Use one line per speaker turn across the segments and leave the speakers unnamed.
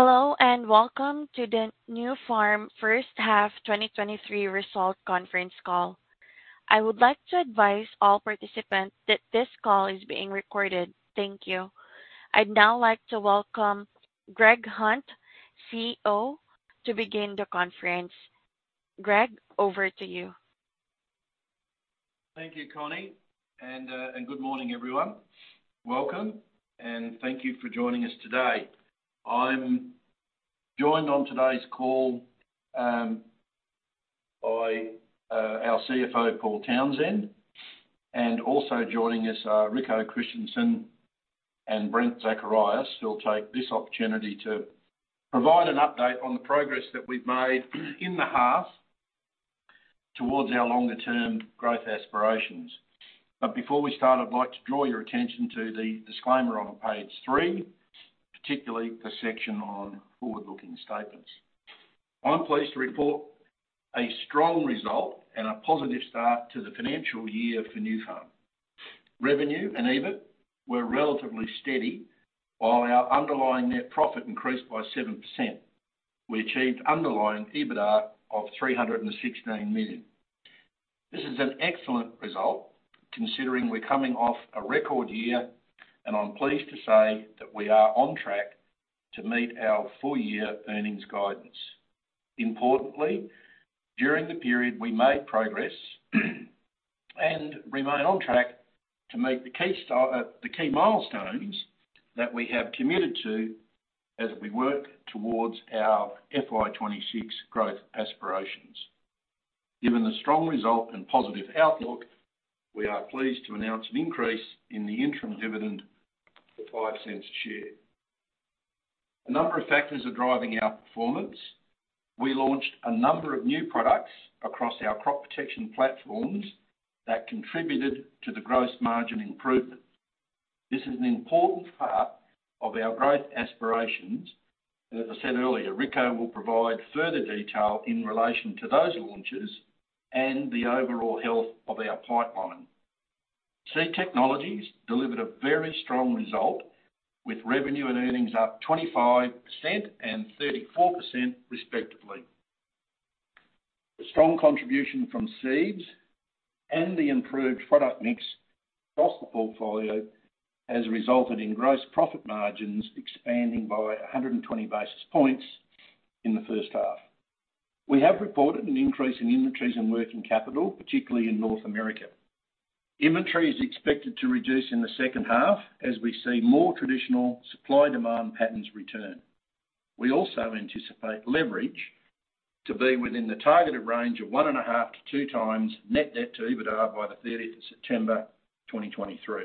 Hello, welcome to the Nufarm first half 2023 result conference call. I would like to advise all participants that this call is being recorded. Thank you. I'd now like to welcome Greg Hunt, CEO, to begin the conference. Greg, over to you.
Thank you, Connie. Good morning, everyone. Welcome, and thank you for joining us today. I'm joined on today's call by our CFO, Paul Townsend, and also joining us are Rico Christensen and Brent Zacharias, who will take this opportunity to provide an update on the progress that we've made in the half towards our longer-term growth aspirations. Before we start, I'd like to draw your attention to the disclaimer on page 3, particularly the section on forward-looking statements. I'm pleased to report a strong result and a positive start to the financial year for Nufarm. Revenue and EBIT were relatively steady, while our underlying net profit increased by 7%. We achieved underlying EBITDA of 316 million. This is an excellent result considering we're coming off a record year, and I'm pleased to say that we are on track to meet our full-year earnings guidance. Importantly, during the period, we made progress and remain on track to meet the key milestones that we have committed to as we work towards our FY26 growth aspirations. Given the strong result and positive outlook, we are pleased to announce an increase in the interim dividend to 0.05 a share. A number of factors are driving our performance. We launched a number of new products across our crop protection platforms that contributed to the gross margin improvement. This is an important part of our growth aspirations. As I said earlier, Rico will provide further detail in relation to those launches and the overall health of our pipeline. Seed technologies delivered a very strong result, with revenue and earnings up 25% and 34%, respectively. The strong contribution from seeds and the improved product mix across the portfolio has resulted in gross profit margins expanding by 120 basis points in the first half. We have reported an increase in inventories and working capital, particularly in North America. Inventory is expected to reduce in the second half as we see more traditional supply-demand patterns return. We also anticipate leverage to be within the targeted range of 1.5x-2x net debt to EBITDA by the 30th of September 2023.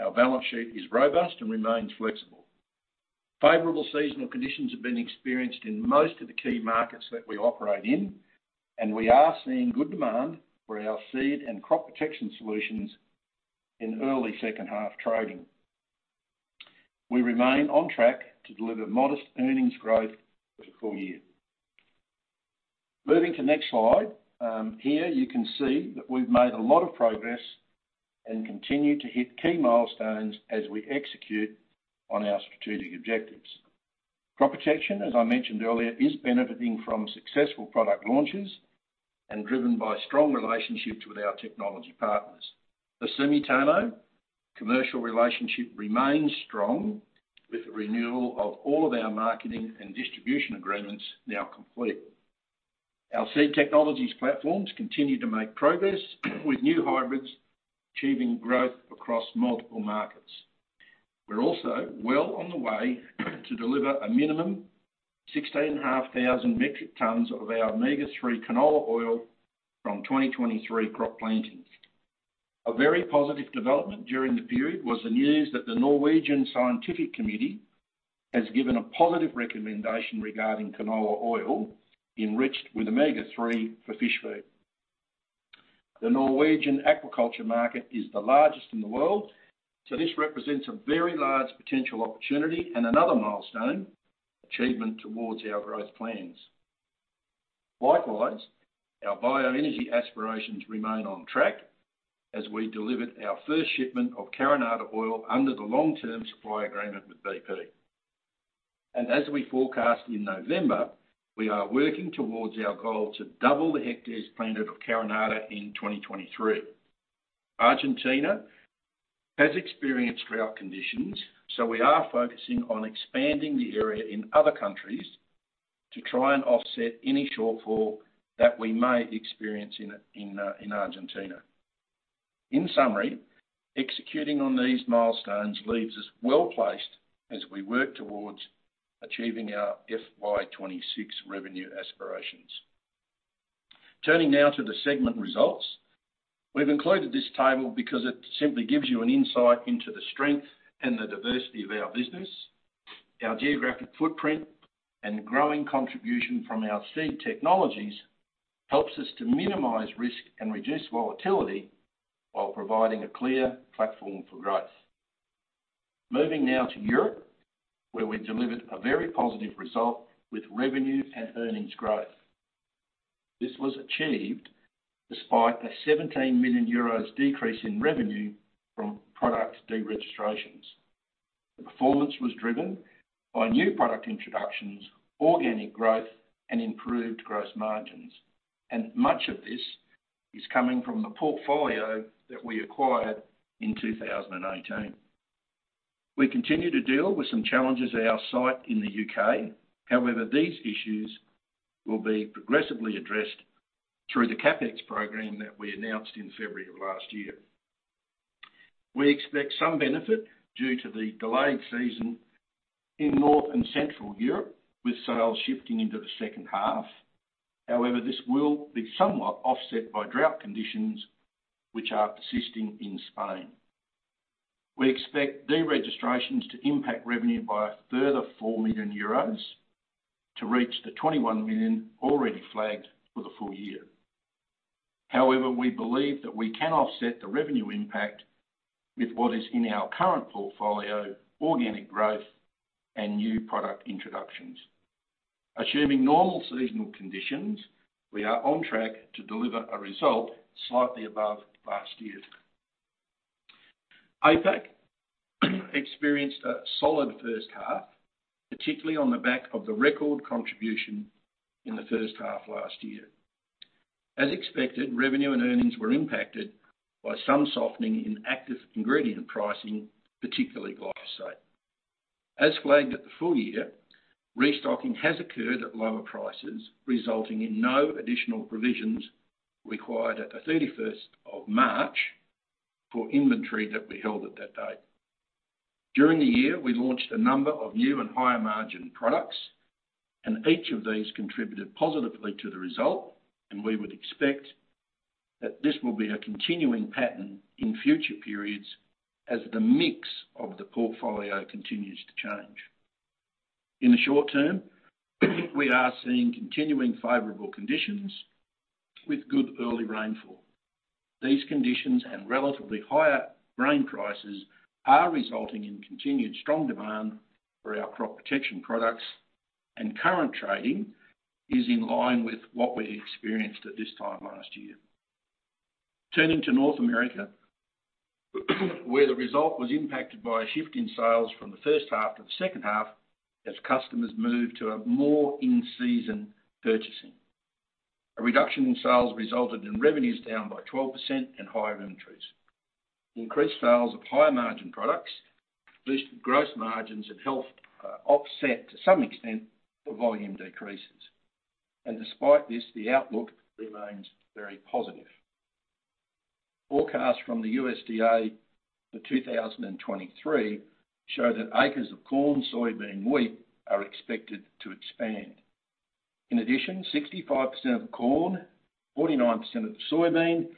Our balance sheet is robust and remains flexible. Favorable seasonal conditions have been experienced in most of the key markets that we operate in, and we are seeing good demand for our seed and crop protection solutions in early second half trading. We remain on track to deliver modest earnings growth for the full year. Moving to next slide. Here you can see that we've made a lot of progress and continue to hit key milestones as we execute on our strategic objectives. Crop protection, as I mentioned earlier, is benefiting from successful product launches and driven by strong relationships with our technology partners. The Sumitomo commercial relationship remains strong with the renewal of all of our marketing and distribution agreements now complete. Our seed technologies platforms continue to make progress with new hybrids achieving growth across multiple markets. We're also well on the way to deliver a minimum 16,500 metric tons of our Omega-3 Canola oil from 2023 crop plantings. A very positive development during the period was the news that the Norwegian Scientific Committee for Food and Environment has given a positive recommendation regarding Canola oil enriched with Omega-3 for fish feed. The Norwegian aquaculture market is the largest in the world, so this represents a very large potential opportunity and another milestone achievement towards our growth plans. Likewise, our bioenergy aspirations remain on track as we delivered our first shipment of Carinata oil under the long-term supply agreement with BP. As we forecast in November, we are working towards our goal to double the hectares planted of Carinata in 2023. Argentina has experienced drought conditions. We are focusing on expanding the area in other countries to try and offset any shortfall that we may experience in Argentina. In summary, executing on these milestones leaves us well-placed as we work towards achieving our FY26 revenue aspirations. Turning now to the segment results. We've included this table because it simply gives you an insight into the strength and the diversity of our business. Our geographic footprint and growing contribution from our seed technologies helps us to minimize risk and reduce volatility while providing a clear platform for growth. Moving now to Europe, where we delivered a very positive result with revenue and earnings growth. This was achieved despite a €17 million decrease in revenue from product deregistrations. The performance was driven by new product introductions, organic growth, and improved gross margins, and much of this is coming from the portfolio that we acquired in 2018. We continue to deal with some challenges at our site in the U.K. However, these issues will be progressively addressed through the CapEx program that we announced in February of last year. We expect some benefit due to the delayed season in North and Central Europe, with sales shifting into the second half. However, this will be somewhat offset by drought conditions, which are persisting in Spain. We expect deregistrations to impact revenue by a further €4 million to reach the €21 million already flagged for the full year. However, we believe that we can offset the revenue impact with what is in our current portfolio, organic growth, and new product introductions. Assuming normal seasonal conditions, we are on track to deliver a result slightly above last year's. APAC experienced a solid first half, particularly on the back of the record contribution in the first half last year. As expected, revenue and earnings were impacted by some softening in active ingredient pricing, particularly glyphosate. As flagged at the full year, restocking has occurred at lower prices, resulting in no additional provisions required at the 31st of March for inventory that we held at that date. During the year, we launched a number of new and higher-margin products, and each of these contributed positively to the result, and we would expect that this will be a continuing pattern in future periods as the mix of the portfolio continues to change. In the short term, we are seeing continuing favorable conditions with good early rainfall. These conditions and relatively higher grain prices are resulting in continued strong demand for our crop protection products, current trading is in line with what we experienced at this time last year. Turning to North America, where the result was impacted by a shift in sales from the first half to the second half as customers moved to a more in-season purchasing. A reduction in sales resulted in revenues down by 12% and higher inventories. Increased sales of higher-margin products boosted gross margins and helped offset to some extent the volume decreases. Despite this, the outlook remains very positive. Forecasts from the USDA for 2023 show that acres of corn, soybean, wheat are expected to expand. In addition, 65% of corn, 49% of soybean,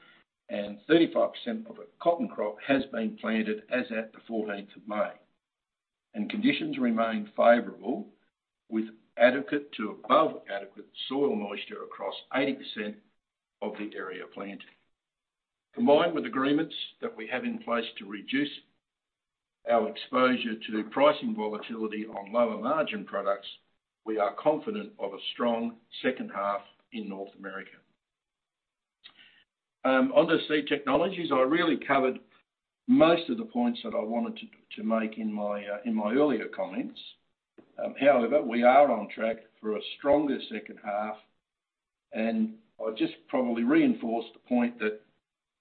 and 35% of the cotton crop has been planted as at the 14th of May. Conditions remain favorable, with adequate to above adequate soil moisture across 80% of the area planted. Combined with agreements that we have in place to reduce our exposure to pricing volatility on lower-margin products, we are confident of a strong second half in North America. Onto Seed Technologies. I really covered most of the points that I wanted to make in my earlier comments. However, we are on track for a stronger second half, and I'll just probably reinforce the point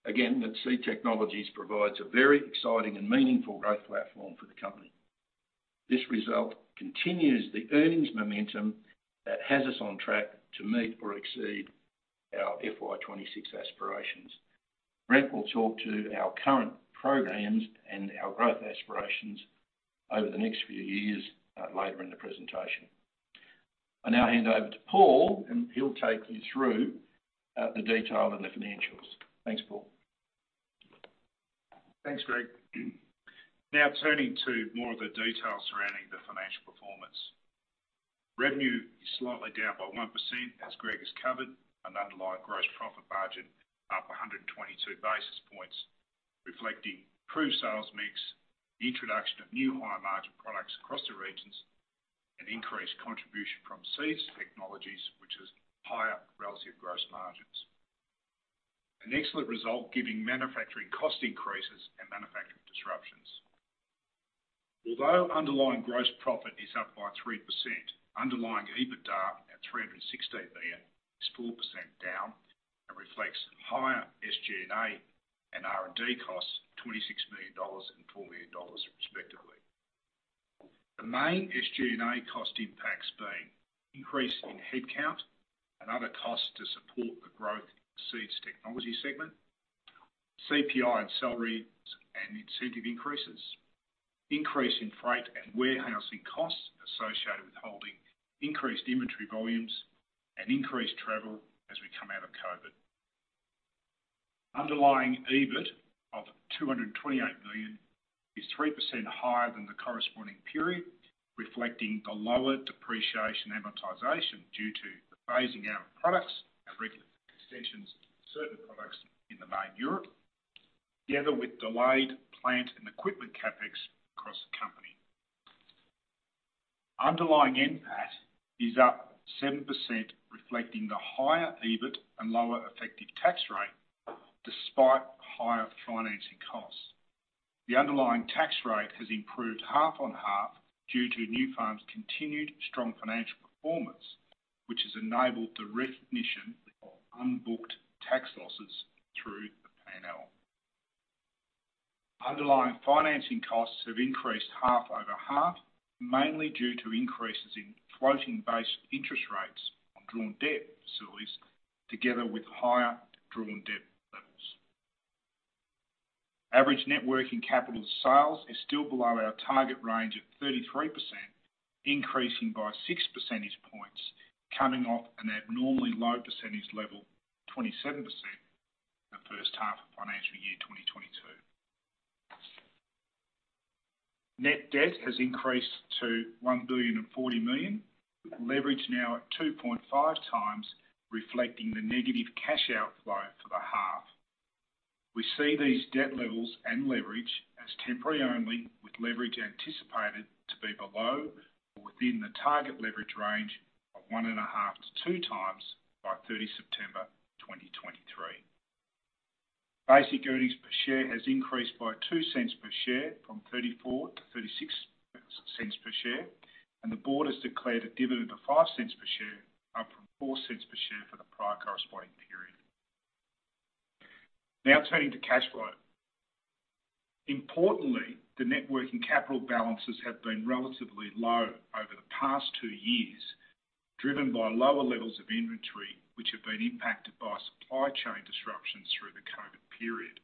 that, again, that Seed Technologies provides a very exciting and meaningful growth platform for the company. This result continues the earnings momentum that has us on track to meet or exceed our FY26 aspirations. Brent will talk to our current programs and our growth aspirations over the next few years later in the presentation. I now hand over to Paul, and he'll take you through the detail and the financials. Thanks, Paul.
Thanks, Greg. Turning to more of the details surrounding the financial performance. Revenue is slightly down by 1%, as Greg has covered, underlying gross profit margin up 122 basis points, reflecting improved sales mix, the introduction of new higher-margin products across the regions, and increased contribution from Seeds Technologies, which has higher relative gross margins. An excellent result giving manufacturing cost increases and manufacturing disruptions. Although underlying gross profit is up by 3%, underlying EBITDA at 360 million is 4% down and reflects higher SG&A and R&D costs, 26 million dollars and 4 million dollars respectively. The main SG&A cost impacts being increase in headcount and other costs to support the growth in the Seeds Technology segment, CPI and salaries and incentive increases, increase in freight and warehousing costs associated with holding increased inventory volumes, and increased travel as we come out of COVID. Underlying EBIT of 228 million is 3% higher than the corresponding period, reflecting the lower depreciation amortization due to the phasing out of products and regulatory extensions to certain products in the main Europe, together with delayed plant and equipment CapEx. Underlying NPAT is up 7%, reflecting the higher EBIT and lower effective tax rate despite higher financing costs. The underlying tax rate has improved half on half due to Nufarm's continued strong financial performance, which has enabled the recognition of unbooked tax losses through the P&L. Underlying financing costs have increased half-over-half, mainly due to increases in floating-based interest rates on drawn debt facilities together with higher drawn debt levels. Average net working capital sales is still below our target range of 33%, increasing by 6 percentage points, coming off an abnormally low percentage level, 27% the first half of FY22. Net debt has increased to 1.04 billion, with leverage now at 2.5 times, reflecting the negative cash outflow for the half. We see these debt levels and leverage as temporary only, with leverage anticipated to be below or within the target leverage range of 1.5 to 2 times by 30 September 2023. Basic earnings per share has increased by 0.02 per share from 0.34 to 0.36 per share, the board has declared a dividend of 0.05 per share up from 0.04 per share for the prior corresponding period. Turning to cash flow. Importantly, the net working capital balances have been relatively low over the past two years, driven by lower levels of inventory, which have been impacted by supply chain disruptions through the COVID period.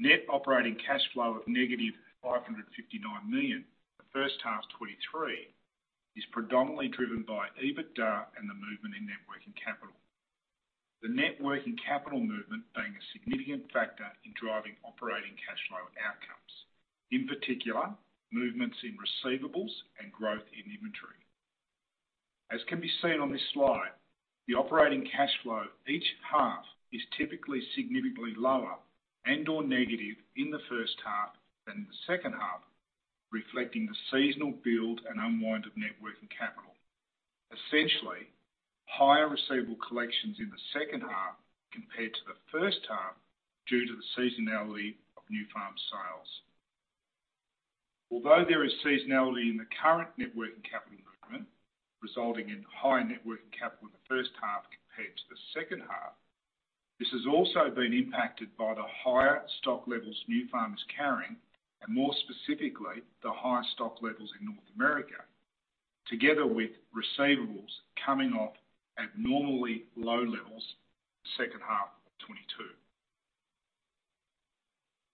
Net operating cash flow of negative 559 million the first half 2023 is predominantly driven by EBITDA and the movement in net working capital. The net working capital movement being a significant factor in driving operating cash flow outcomes, in particular, movements in receivables and growth in inventory. As can be seen on this slide, the operating cash flow each half is typically significantly lower and/or negative in the first half than the second half, reflecting the seasonal build and unwind of net working capital. Essentially, higher receivable collections in the second half compared to the first half due to the seasonality of Nufarm sales. Although there is seasonality in the current net working capital movement, resulting in higher net working capital in the first half compared to the second half, this has also been impacted by the higher stock levels Nufarm is carrying, and more specifically, the higher stock levels in North America, together with receivables coming off at normally low levels second half of 2022.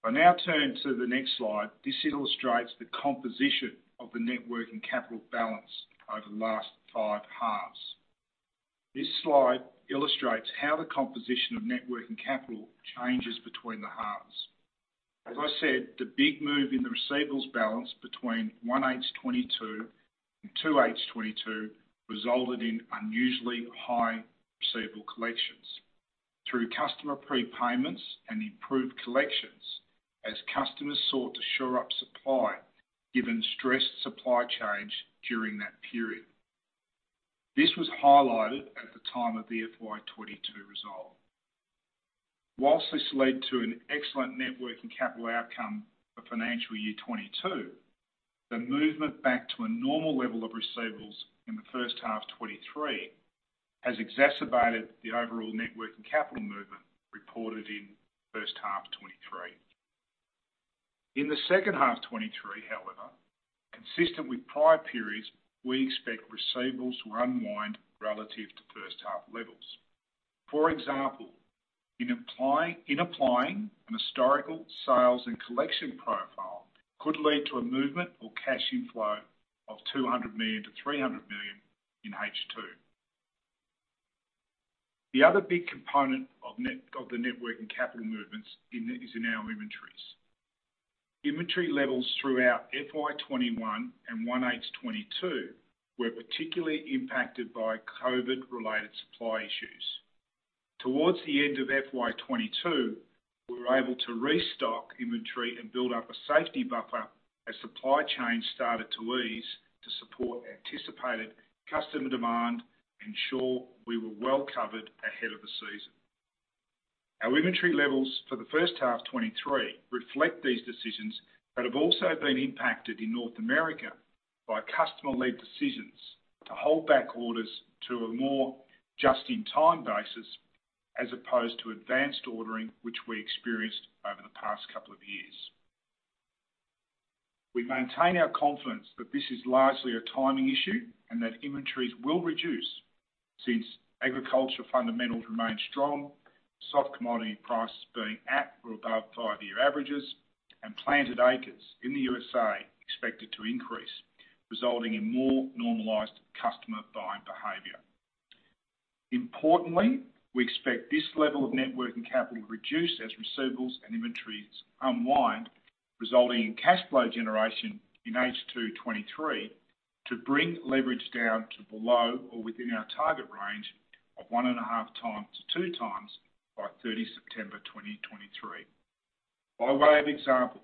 I now turn to the next slide. This illustrates the composition of the net working capital balance over the last five halves. This slide illustrates how the composition of net working capital changes between the halves. As I said, the big move in the receivables balance between 1H 2022 and 2H 2022 resulted in unusually high receivable collections through customer prepayments and improved collections as customers sought to shore up supply given stressed supply chains during that period. This was highlighted at the time of the FY 2022 result. Whilst this led to an excellent net working capital outcome for financial year 2022, the movement back to a normal level of receivables in the first half of 2023 has exacerbated the overall net working capital movement reported in first half of 2023. In the second half of 2023, however, consistent with prior periods, we expect receivables to unwind relative to first half levels. For example, in applying an historical sales and collection profile could lead to a movement or cash inflow of 200 million-300 million in H2. The other big component of the net working capital movements is in our inventories. Inventory levels throughout FY 2021 and 1H 2022 were particularly impacted by COVID-related supply issues. Towards the end of FY 2022, we were able to restock inventory and build up a safety buffer as supply chains started to ease to support anticipated customer demand, ensure we were well covered ahead of the season. Our inventory levels for the first half of 2023 reflect these decisions but have also been impacted in North America by customer-led decisions to hold back orders to a more just-in-time basis as opposed to advanced ordering, which we experienced over the past couple of years. We maintain our confidence that this is largely a timing issue and that inventories will reduce since agriculture fundamentals remain strong, soft commodity prices being at or above five-year averages, and planted acres in the U.S. expected to increase, resulting in more normalized customer buying behavior. Importantly, we expect this level of net working capital to reduce as receivables and inventories unwind, resulting in cash flow generation in H2 2023 to bring leverage down to below or within our target range of 1.5 times to 2 times by 30 September 2023. By way of example,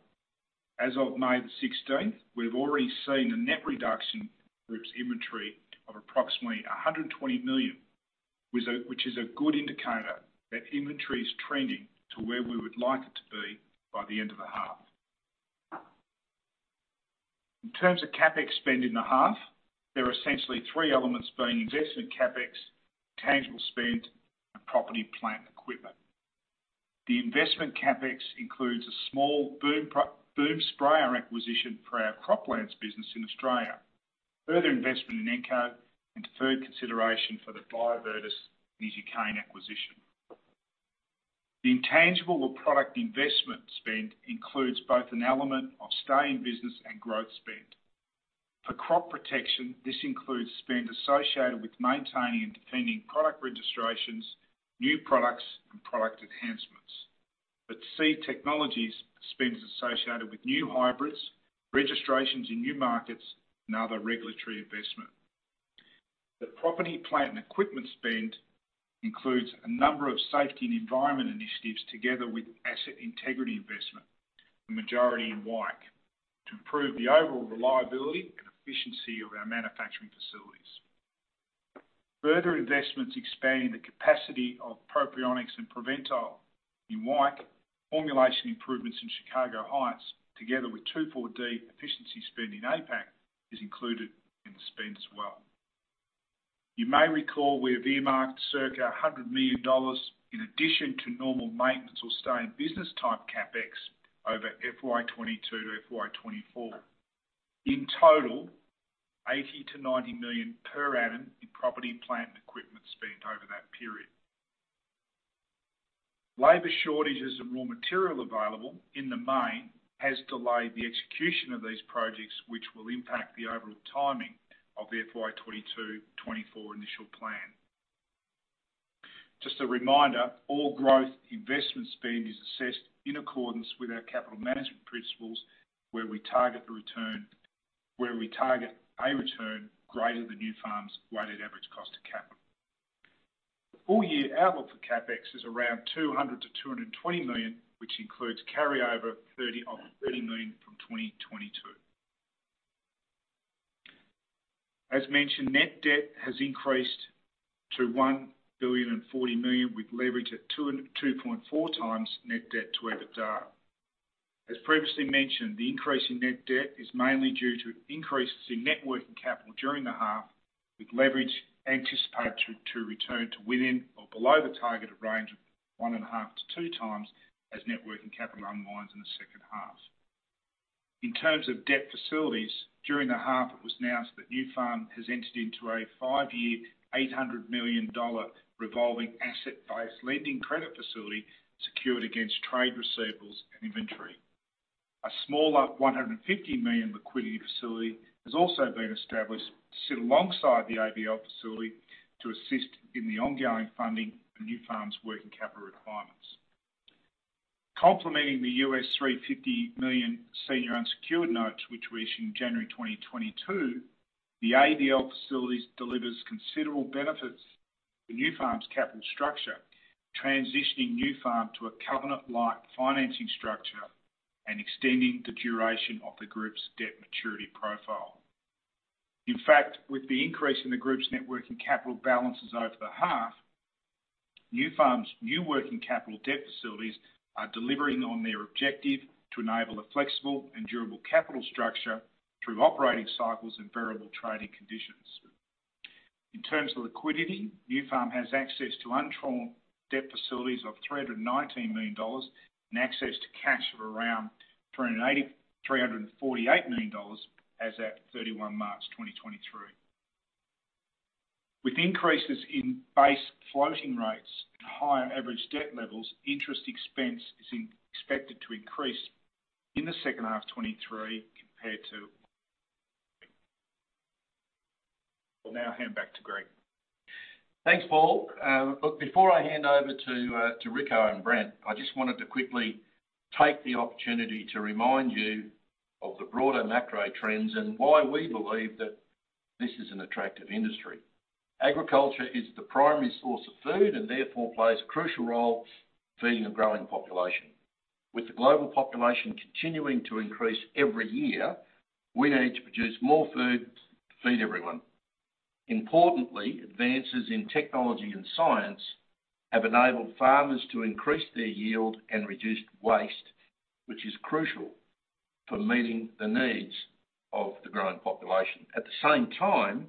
as of May 16th, we've already seen a net reduction group's inventory of approximately 120 million, which is a good indicator that inventory is trending to where we would like it to be by the end of the half. In terms of CapEx spend in the half, there are essentially three elements being investment CapEx, tangible spend, and property plant and equipment. The investment CapEx includes a small boom sprayer acquisition for our Croplands business in Australia. Further investment in Encote, and deferred consideration for the Biovertis and EasyCane acquisition. The intangible or product investment spend includes both an element of stay in business and growth spend. For crop protection, this includes spend associated with maintaining and defending product registrations, new products, and product enhancements. Seed technologies spend is associated with new hybrids, registrations in new markets, and other regulatory investment. The property, plant, and equipment spend includes a number of safety and environment initiatives together with asset integrity investment, the majority in Wyke, to improve the overall reliability and efficiency of our manufacturing facilities. Further investments expanding the capacity of Propionic and Preventol in Wyke, formulation improvements in Chicago Heights, together with 2,4-D efficiency spend in APAC, is included in the spend as well. You may recall we have earmarked circa 100 million dollars in addition to normal maintenance or stay in business type CapEx over FY 2022 to FY 2024. In total, 80 million-90 million per annum in property, plant, and equipment spend over that period. Labor shortages and raw material available in the main has delayed the execution of these projects, which will impact the overall timing of the FY 2022/2024 initial plan. Just a reminder, all growth investment spend is assessed in accordance with our capital management principles, where we target a return greater than Nufarm's weighted average cost of capital. The full-year outlook for CapEx is around 200 million-220 million, which includes carryover 30 million from 2022. As mentioned, net debt has increased to 1.04 billion, with leverage at 2.0 times-2.4 times net debt to EBITDA. As previously mentioned, the increase in net debt is mainly due to increases in net working capital during the half, with leverage anticipated to return to within or below the targeted range of 1.5 times-2 times as net working capital unwinds in the second half. In terms of debt facilities, during the half it was announced that Nufarm has entered into a 5-year, $800 million revolving ABL credit facility secured against trade receivables and inventory. A smaller 150 million liquidity facility has also been established to sit alongside the ABL facility to assist in the ongoing funding of Nufarm's working capital requirements. Complementing the $350 million senior unsecured notes, which were issued in January 2022, the ABL facilities delivers considerable benefits for Nufarm's capital structure, transitioning Nufarm to a covenant-like financing structure and extending the duration of the group's debt maturity profile. With the increase in the group's net working capital balances over the half, Nufarm's new working capital debt facilities are delivering on their objective to enable a flexible and durable capital structure through operating cycles and variable trading conditions. In terms of liquidity, Nufarm has access to undrawn debt facilities of AUD 319 million and access to cash of around AUD 348 million as at 31 March 2023. With increases in base floating rates and higher average debt levels, interest expense is expected to increase in the second half of 2023 compared to. I'll now hand back to Greg. Thanks, Paul. Look, before I hand over to Rico and Brent, I just wanted to quickly take the opportunity to remind you of the broader macro trends and why we believe that this is an attractive industry. Agriculture is the primary source of food and therefore plays a crucial role in feeding a growing population. With the global population continuing to increase every year, we need to produce more food to feed everyone. Importantly, advances in technology and science have enabled farmers to increase their yield and reduce waste, which is crucial for meeting the needs of the growing population. At the same time,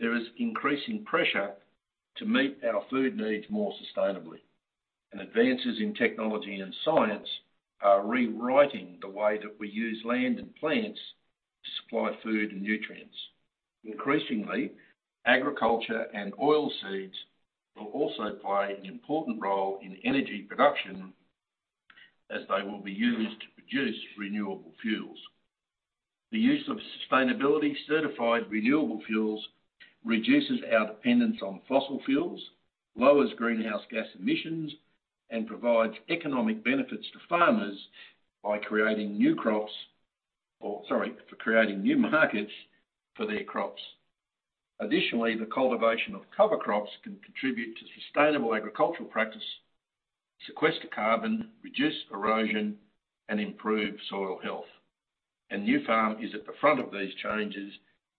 there is increasing pressure to meet our food needs more sustainably, and advances in technology and science are rewriting the way that we use land and plants to supply food and nutrients. Increasingly, agriculture and oilseeds will also play an important role in energy production as they will be used to produce renewable fuels. The use of sustainability certified renewable fuels reduces our dependence on fossil fuels, lowers greenhouse gas emissions, and provides economic benefits to farmers by creating new crops or, sorry, for creating new markets for their crops.
The cultivation of cover crops can contribute to sustainable agricultural practice, sequester carbon, reduce erosion, and improve soil health. Nufarm is at the front of these changes.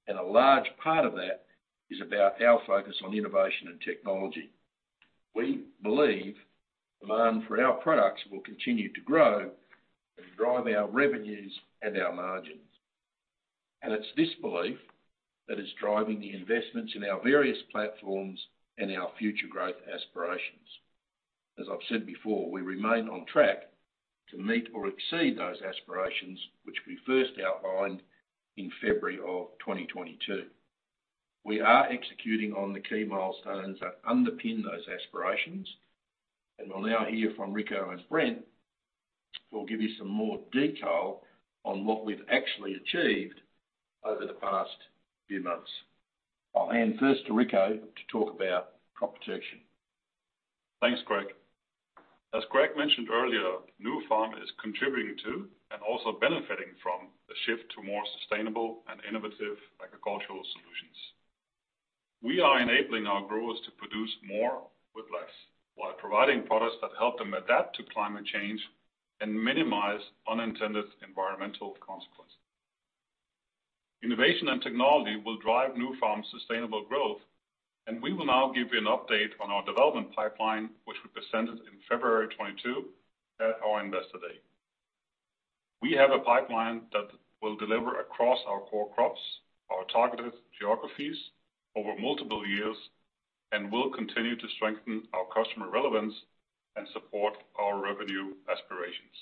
A large part of that is about our focus on innovation and technology. We believe demand for our products will continue to grow and drive our revenues and our margins. It's this belief that is driving the investments in our various platforms and our future growth aspirations. As I've said before, we remain on track to meet or exceed those aspirations, which we first outlined in February of 2022. We are executing on the key milestones that underpin those aspirations, and we'll now hear from Rico and Brent, who will give you some more detail on what we've actually achieved over the past few months. I'll hand first to Rico to talk about crop protection.
Thanks, Greg. As Greg mentioned earlier, Nufarm is contributing to and also benefiting from the shift to more sustainable and innovative agricultural solutions. We are enabling our growers to produce more with less, while providing products that help them adapt to climate change and minimize unintended environmental consequences. Innovation and technology will drive Nufarm's sustainable growth. We will now give you an update on our development pipeline, which we presented in February of 2022 at our Investor Day. We have a pipeline that will deliver across our core crops, our targeted geographies over multiple years, will continue to strengthen our customer relevance and support our revenue aspirations.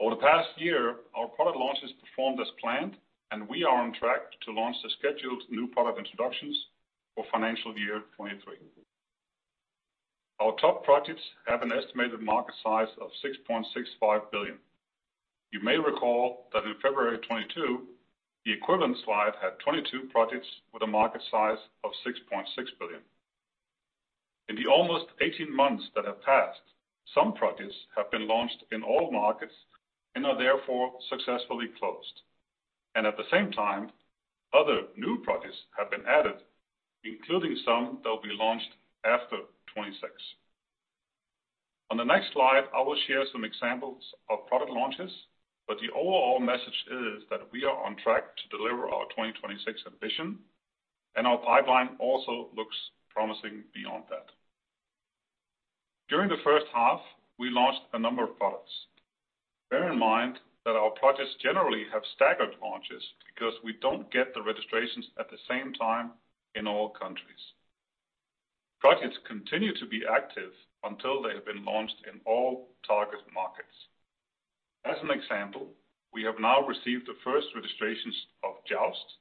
Over the past year, our product launches performed as planned. We are on track to launch the scheduled new product introductions for financial year 23. Our top projects have an estimated market size of 6.65 billion. You may recall that in February of 2022, the equivalent slide had 22 projects with a market size of 6.6 billion. In the almost 18 months that have passed, some projects have been launched in all markets and are therefore successfully closed. At the same time, other new projects have been added, including some that will be launched after 2026. On the next slide, I will share some examples of product launches, but the overall message is that we are on track to deliver our 2026 ambition, and our pipeline also looks promising beyond that. During the first half, we launched a number of products. Bear in mind that our projects generally have staggered launches because we don't get the registrations at the same time in all countries. Projects continue to be active until they have been launched in all target markets. As an example, we have now received the first registrations of Jaust,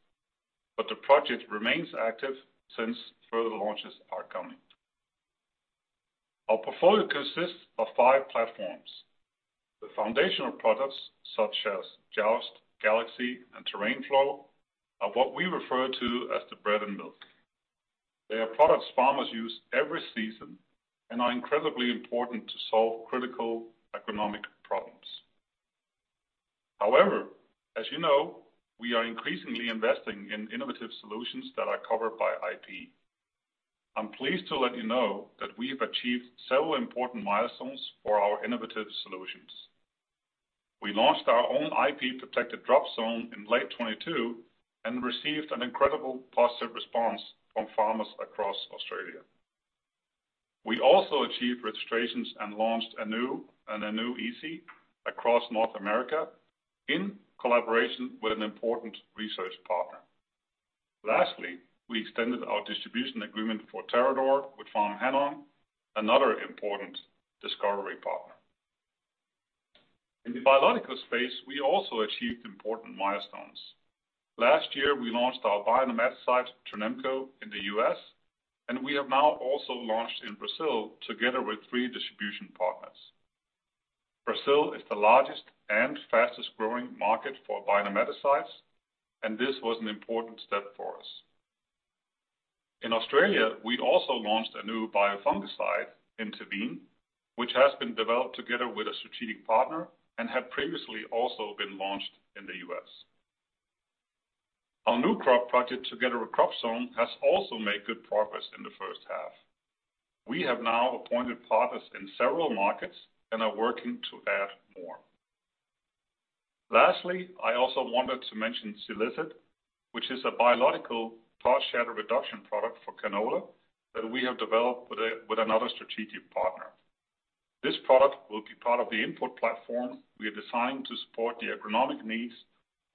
but the project remains active since further launches are coming. Our portfolio consists of five platforms. The foundational products, such as Jaust, Galaxy, Terrad'or Flow, are what we refer to as the bread and milk. They are products farmers use every season and are incredibly important to solve critical economic problems. However, as you know, we are increasingly investing in innovative solutions that are covered by IP. I'm pleased to let you know that we have achieved several important milestones for our innovative solutions. We launched our own IP protected DropZone in late 2022 and received an incredible positive response from farmers across Australia. We also achieved registrations and launched a new, an Anuew EC across North America in collaboration with an important research partner. Lastly, we extended our distribution agreement for Terrad'or with FarmHannong, another important discovery partner. In the biological space, we also achieved important milestones. Last year, we launched our bionematicide, Trunemco, in the U.S. We have now also launched in Brazil together with 3 distribution partners. Brazil is the largest and fastest-growing market for bionematicides. This was an important step for us. In Australia, we also launched a new biofungicide, Intervene, which has been developed together with a strategic partner and had previously also been launched in the U.S. Our new crop project together with Crop.Zone has also made good progress in the first half. We have now appointed partners in several markets and are working to add more. Lastly, I also wanted to mention Silicet, which is a biological pod shatter reduction product for canola that we have developed with another strategic partner. This product will be part of the input platform we are designing to support the agronomic needs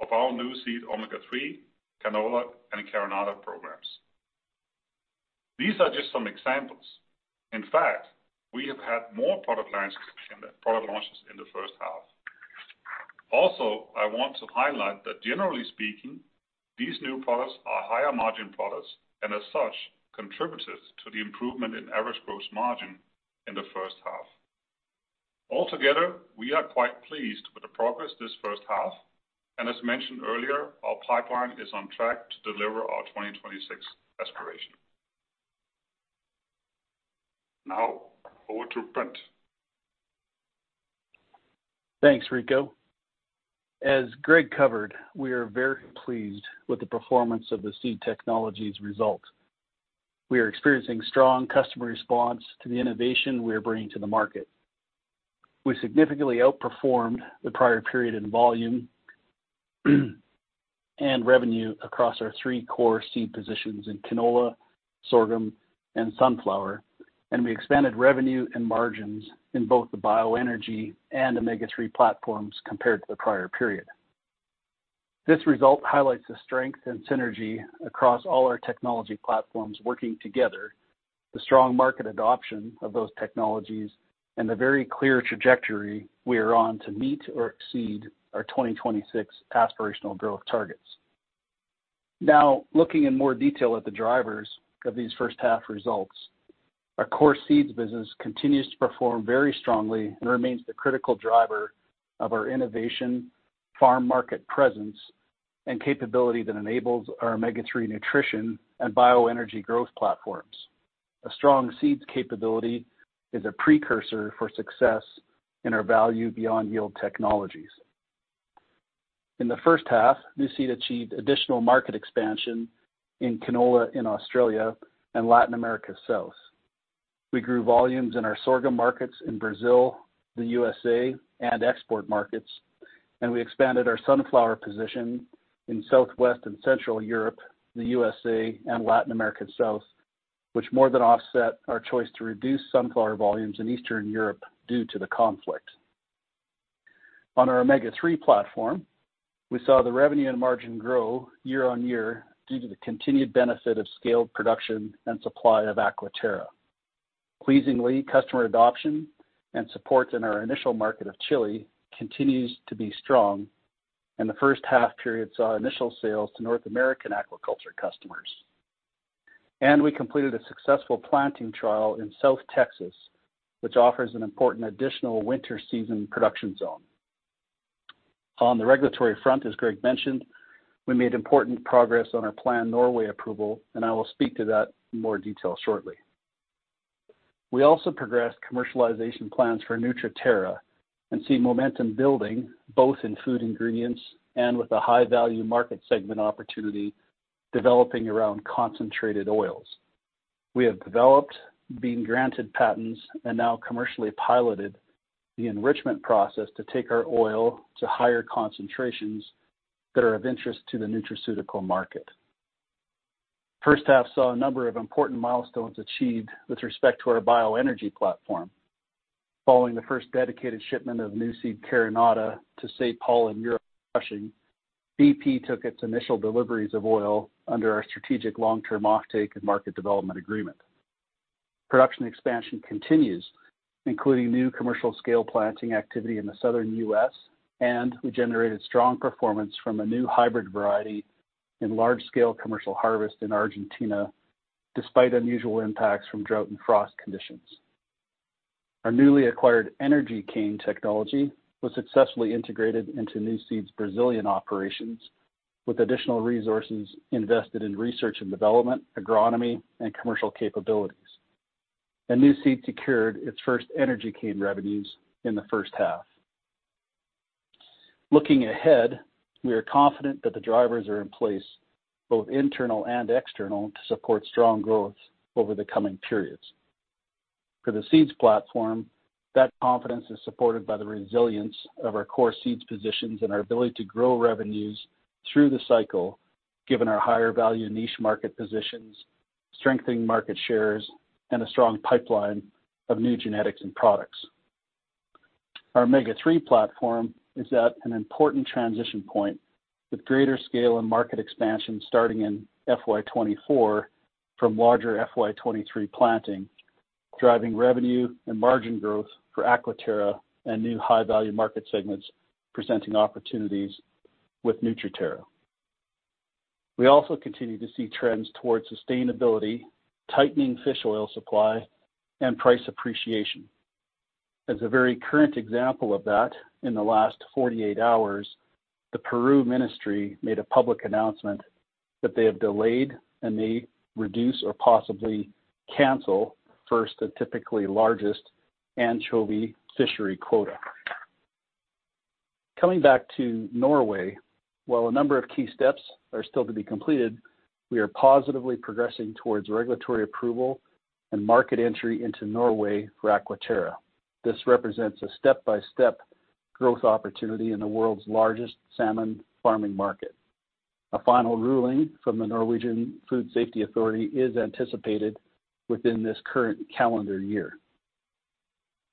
of our Nuseed Omega-3 Canola and Carinata programs. These are just some examples. In fact, we have had more product lines than product launches in the first half. Also, I want to highlight that generally speaking, these new products are higher margin products and as such, contributed to the improvement in average gross margin in the first half. Altogether, we are quite pleased with the progress this first half and as mentioned earlier, our pipeline is on track to deliver our 2026 ambition.
Now over to Brent.
Thanks, Rico. As Greg covered, we are very pleased with the performance of the seed technologies results. We are experiencing strong customer response to the innovation we are bringing to the market. We significantly outperformed the prior period in volume and revenue across our three core seed positions in canola, sorghum, and sunflower. We expanded revenue and margins in both the bioenergy and omega-3 platforms compared to the prior period. This result highlights the strength and synergy across all our technology platforms working together, the strong market adoption of those technologies, and the very clear trajectory we are on to meet or exceed our 2026 aspirational growth targets. Now, looking in more detail at the drivers of these first half results, our core seeds business continues to perform very strongly and remains the critical driver of our innovation, farm market presence, and capability that enables our Omega-3 nutrition and bioenergy growth platforms. A strong seeds capability is a precursor for success in our value beyond yield technologies. In the first half, Nuseed achieved additional market expansion in canola in Australia and Latin America South. We grew volumes in our sorghum markets in Brazil, the USA, and export markets, and we expanded our sunflower position in Southwest and Central Europe, the USA, and Latin America South, which more than offset our choice to reduce sunflower volumes in Eastern Europe due to the conflict. On our Omega-3 platform, we saw the revenue and margin grow year-on-year due to the continued benefit of scaled production and supply of Aquaterra. Pleasingly, customer adoption and support in our initial market of Chile continues to be strong, and the first half period saw initial sales to North American aquaculture customers. We completed a successful planting trial in South Texas, which offers an important additional winter season production zone. On the regulatory front, as Greg mentioned, we made important progress on our planned Norway approval, and I will speak to that in more detail shortly. We also progressed commercialization plans for Nutriterra and see momentum building both in food ingredients and with a high-value market segment opportunity developing around concentrated oils. We have developed, been granted patents, and now commercially piloted the enrichment process to take our oil to higher concentrations that are of interest to the nutraceutical market. First half saw a number of important milestones achieved with respect to our bioenergy platform. Following the first dedicated shipment of Nuseed Carinata to Saipol in Europe BP took its initial deliveries of oil under our strategic long-term offtake and market development agreement. Production expansion continues, including new commercial scale planting activity in the Southern U.S., we generated strong performance from a new hybrid variety in large scale commercial harvest in Argentina, despite unusual impacts from drought and frost conditions. Our newly acquired energy cane technology was successfully integrated into Nuseed's Brazilian operations with additional resources invested in research and development, agronomy, and commercial capabilities. Nuseed secured its first energy cane revenues in the first half. Looking ahead, we are confident that the drivers are in place, both internal and external, to support strong growth over the coming periods. For the seeds platform, that confidence is supported by the resilience of our core seeds positions and our ability to grow revenues through the cycle, given our higher value niche market positions, strengthening market shares, and a strong pipeline of new genetics and products. Our Omega-3 platform is at an important transition point with greater scale and market expansion starting in FY24 from larger FY23 planting, driving revenue and margin growth for AquaTerra and new high-value market segments presenting opportunities with Nutriterra. We also continue to see trends towards sustainability, tightening fish oil supply, and price appreciation. As a very current example of that, in the last 48 hours, the Peru Ministry made a public announcement that they have delayed and may reduce or possibly cancel first, the typically largest anchovy fishery quota. Coming back to Norway, while a number of key steps are still to be completed, we are positively progressing towards regulatory approval and market entry into Norway for AquaTerra. This represents a step-by-step growth opportunity in the world's largest salmon farming market. A final ruling from the Norwegian Food Safety Authority is anticipated within this current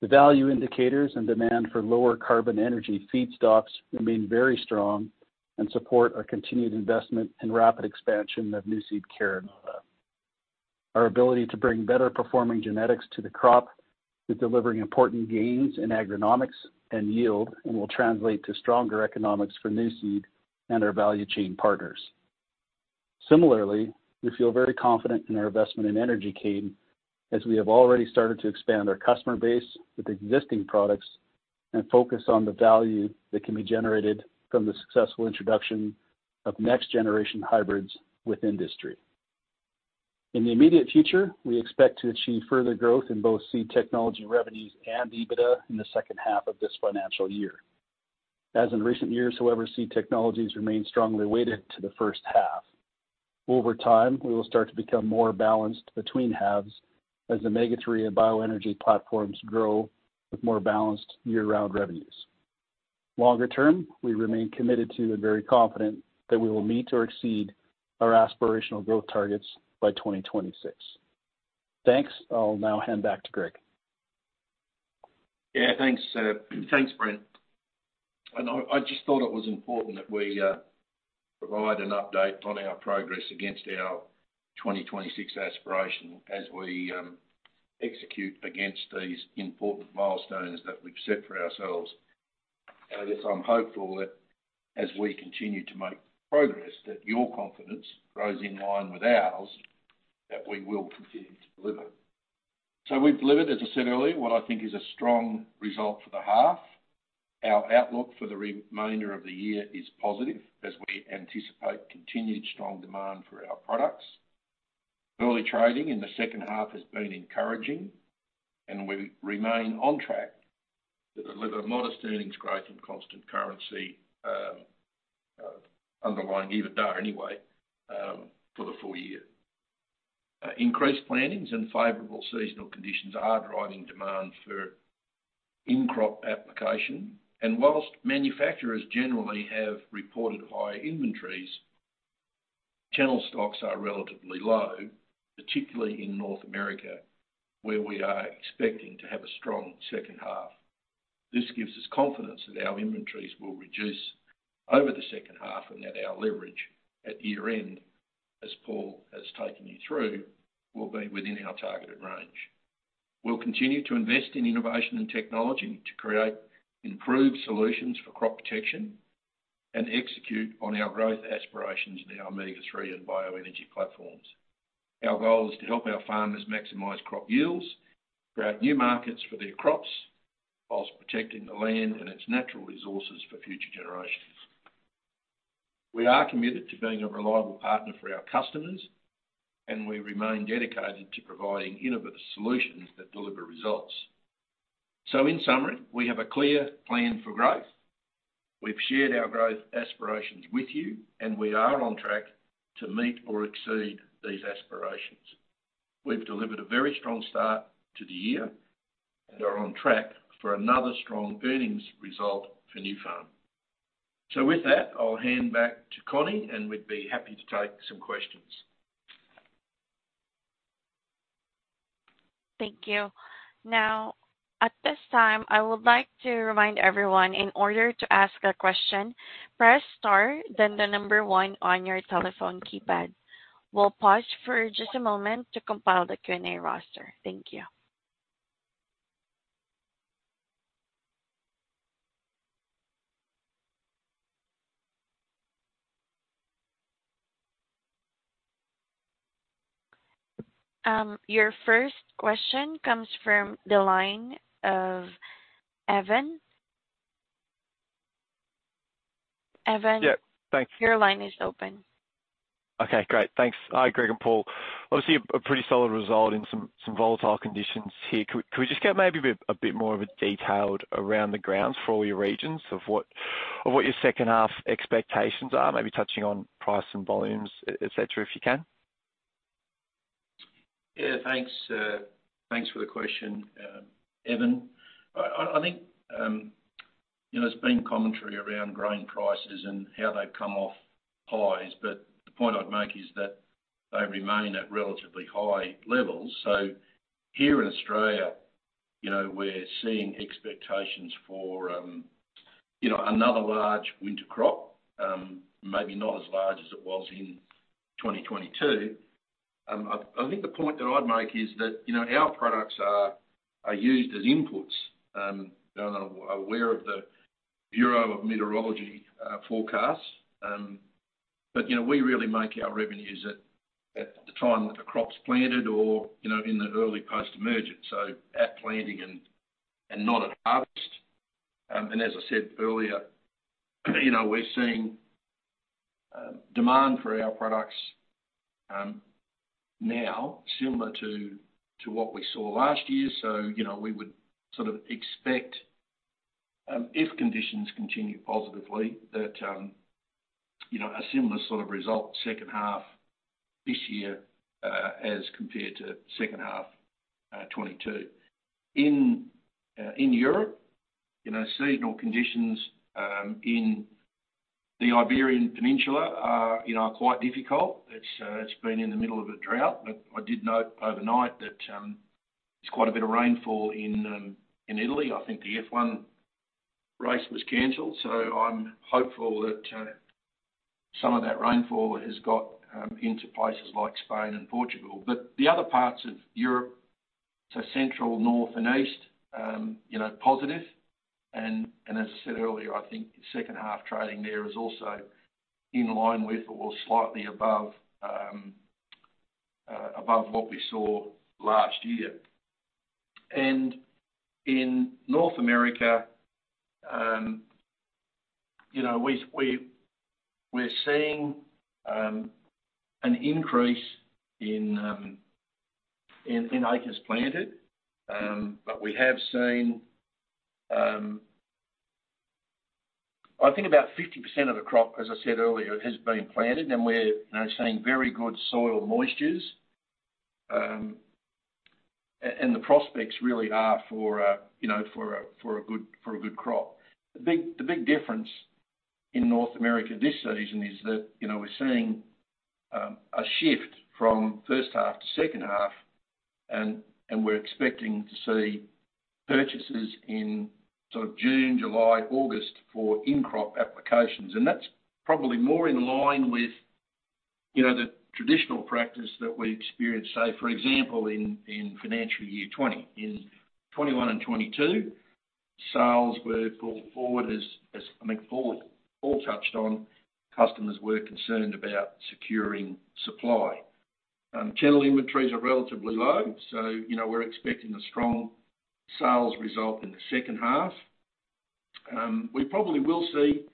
calendar year. The value indicators and demand for lower carbon energy feedstocks remain very strong and support our continued investment and rapid expansion of Nuseed Carinata. Our ability to bring better performing genetics to the crop is delivering important gains in agronomics and yield and will translate to stronger economics for Nuseed and our value chain partners. Similarly, we feel very confident in our investment in energy cane, as we have already started to expand our customer base with existing products and focus on the value that can be generated from the successful introduction of next-generation hybrids with industry. In the immediate future, we expect to achieve further growth in both seed technology revenues and EBITDA in the second half of this financial year. As in recent years, however, seed technologies remain strongly weighted to the first half. Over time, we will start to become more balanced between halves as Omega-3 and bioenergy platforms grow with more balanced year-round revenues. Longer term, we remain committed to, and very confident, that we will meet or exceed our aspirational growth targets by 2026. Thanks. I'll now hand back to Greg.
Yeah, thanks. Thanks, Brent. I just thought it was important that we provide an update on our progress against our 2026 aspiration as we execute against these important milestones that we've set for ourselves. I guess I'm hopeful that as we continue to make progress that your confidence grows in line with ours, that we will continue to deliver. We've delivered, as I said earlier, what I think is a strong result for the half. Our outlook for the remainder of the year is positive as we anticipate continued strong demand for our products. Early trading in the second half has been encouraging, and we remain on track to deliver modest earnings growth and constant currency underlying EBITDA anyway, for the full year. Increased plantings and favorable seasonal conditions are driving demand for in-crop application. Whilst manufacturers generally have reported higher inventories, channel stocks are relatively low, particularly in North America, where we are expecting to have a strong second half. This gives us confidence that our inventories will reduce over the second half, and that our leverage at year-end, as Paul has taken you through, will be within our targeted range. We'll continue to invest in innovation and technology to create improved solutions for crop protection and execute on our growth aspirations in our Omega-3 and bioenergy platforms. Our goal is to help our farmers maximize crop yields, create new markets for their crops, while protecting the land and its natural resources for future generations. We are committed to being a reliable partner for our customers, and we remain dedicated to providing innovative solutions that deliver results. In summary, we have a clear plan for growth. We've shared our growth aspirations with you, and we are on track to meet or exceed these aspirations. We've delivered a very strong start to the year and are on track for another strong earnings result for Nufarm. With that, I'll hand back to Connie. We'd be happy to take some questions.
Thank you. Now, at this time, I would like to remind everyone, in order to ask a question, press star, then the number one on your telephone keypad. We'll pause for just a moment to compile the Q&A roster. Thank you. Your first question comes from the line of Evan. Evan?
Yeah. Thanks.
Your line is open.
Great. Thanks. Hi, Greg and Paul. Obviously, a pretty solid result in some volatile conditions here. Could we just get maybe a bit more of a detailed around the grounds for all your regions of what your second half expectations are? Maybe touching on price and volumes, et cetera, if you can.
Yeah, thanks for the question, Evan. I think, you know, there's been commentary around grain prices and how they've come off highs, the point I'd make is that they remain at relatively high levels. Here in Australia, you know, we're seeing expectations for, you know, another large winter crop, maybe not as large as it was in 2022. I think the point that I'd make is that, you know, our products are used as inputs, I'm aware of the Bureau of Meteorology forecast. We really make our revenues at the time that the crop's planted or, you know, in the early post-emergence, at planting and not at harvest. As I said earlier, you know, we're seeing demand for our products now similar to what we saw last year. You know, we would sort of expect, if conditions continue positively that, you know, a similar sort of result second half this year as compared to second half 2022. In Europe, you know, seasonal conditions in the Iberian Peninsula are quite difficult. It's been in the middle of a drought. I did note overnight that there's quite a bit of rainfall in Italy. I think the F1 race was canceled. I'm hopeful that some of that rainfall has got into places like Spain and Portugal. The other parts of Europe, so Central, North, and East, you know, positive. As I said earlier, I think second half trading there is also in line with or slightly above.
Above what we saw last year. In North America, we're seeing an increase in acres planted. We have seen. I think about 50% of the crop, as I said earlier, has been planted, and we're now seeing very good soil moistures. The prospects really are for a good crop. The big difference in North America this season is that we're seeing a shift from first half to second half, and we're expecting to see purchases in sort of June, July, August for in-crop applications. That's probably more in line with the traditional practice that we experienced, say, for example, in financial year 2020. In 2021 and 2022, sales were brought forward as I think Paul touched on, customers were concerned about securing supply. General inventories are relatively low, you know, we're expecting a strong sales result in the second half. We probably will see,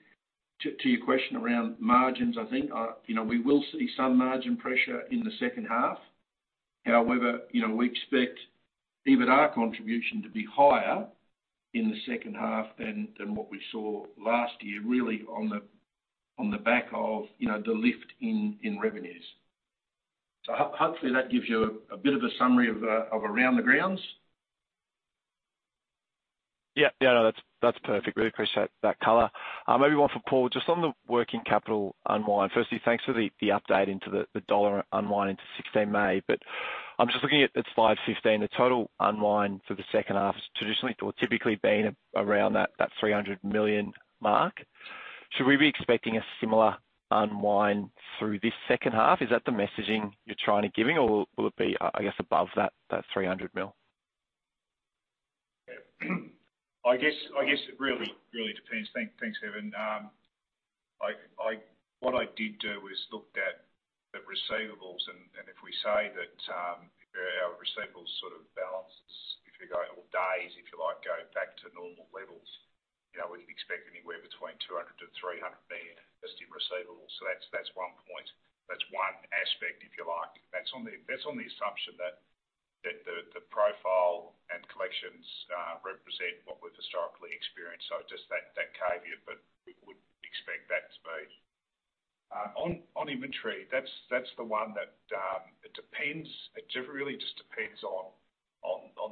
to your question around margins, I think, you know, we will see some margin pressure in the second half. You know, we expect EBITA contribution to be higher in the second half than what we saw last year, really on the back of, you know, the lift in revenues. Hopefully that gives you a bit of a summary of around the grounds.
That's perfect. Really appreciate that color. Maybe one for Paul Townsend, just on the working capital unwind. Firstly, thanks for the update into the dollar unwind into 16 May. I'm just looking at slide 15, the total unwind for the second half has traditionally or typically been around that 300 million mark. Should we be expecting a similar unwind through this second half? Is that the messaging you're trying to giving or will it be, I guess, above that 300 million?
Yeah. I guess it really depends. Thanks, Evan. What I did do is looked at the receivables, and if we say that our receivables sort of balances, if you're going all days, if you like, go back to normal levels, you know, we can expect anywhere between 200 million-300 million just in receivables. That's one point. That's one aspect, if you like. That's on the assumption that the profile and collections represent what we've historically experienced. Just that caveat, but we would expect that to be. On inventory, that's the one that it depends. It really just depends on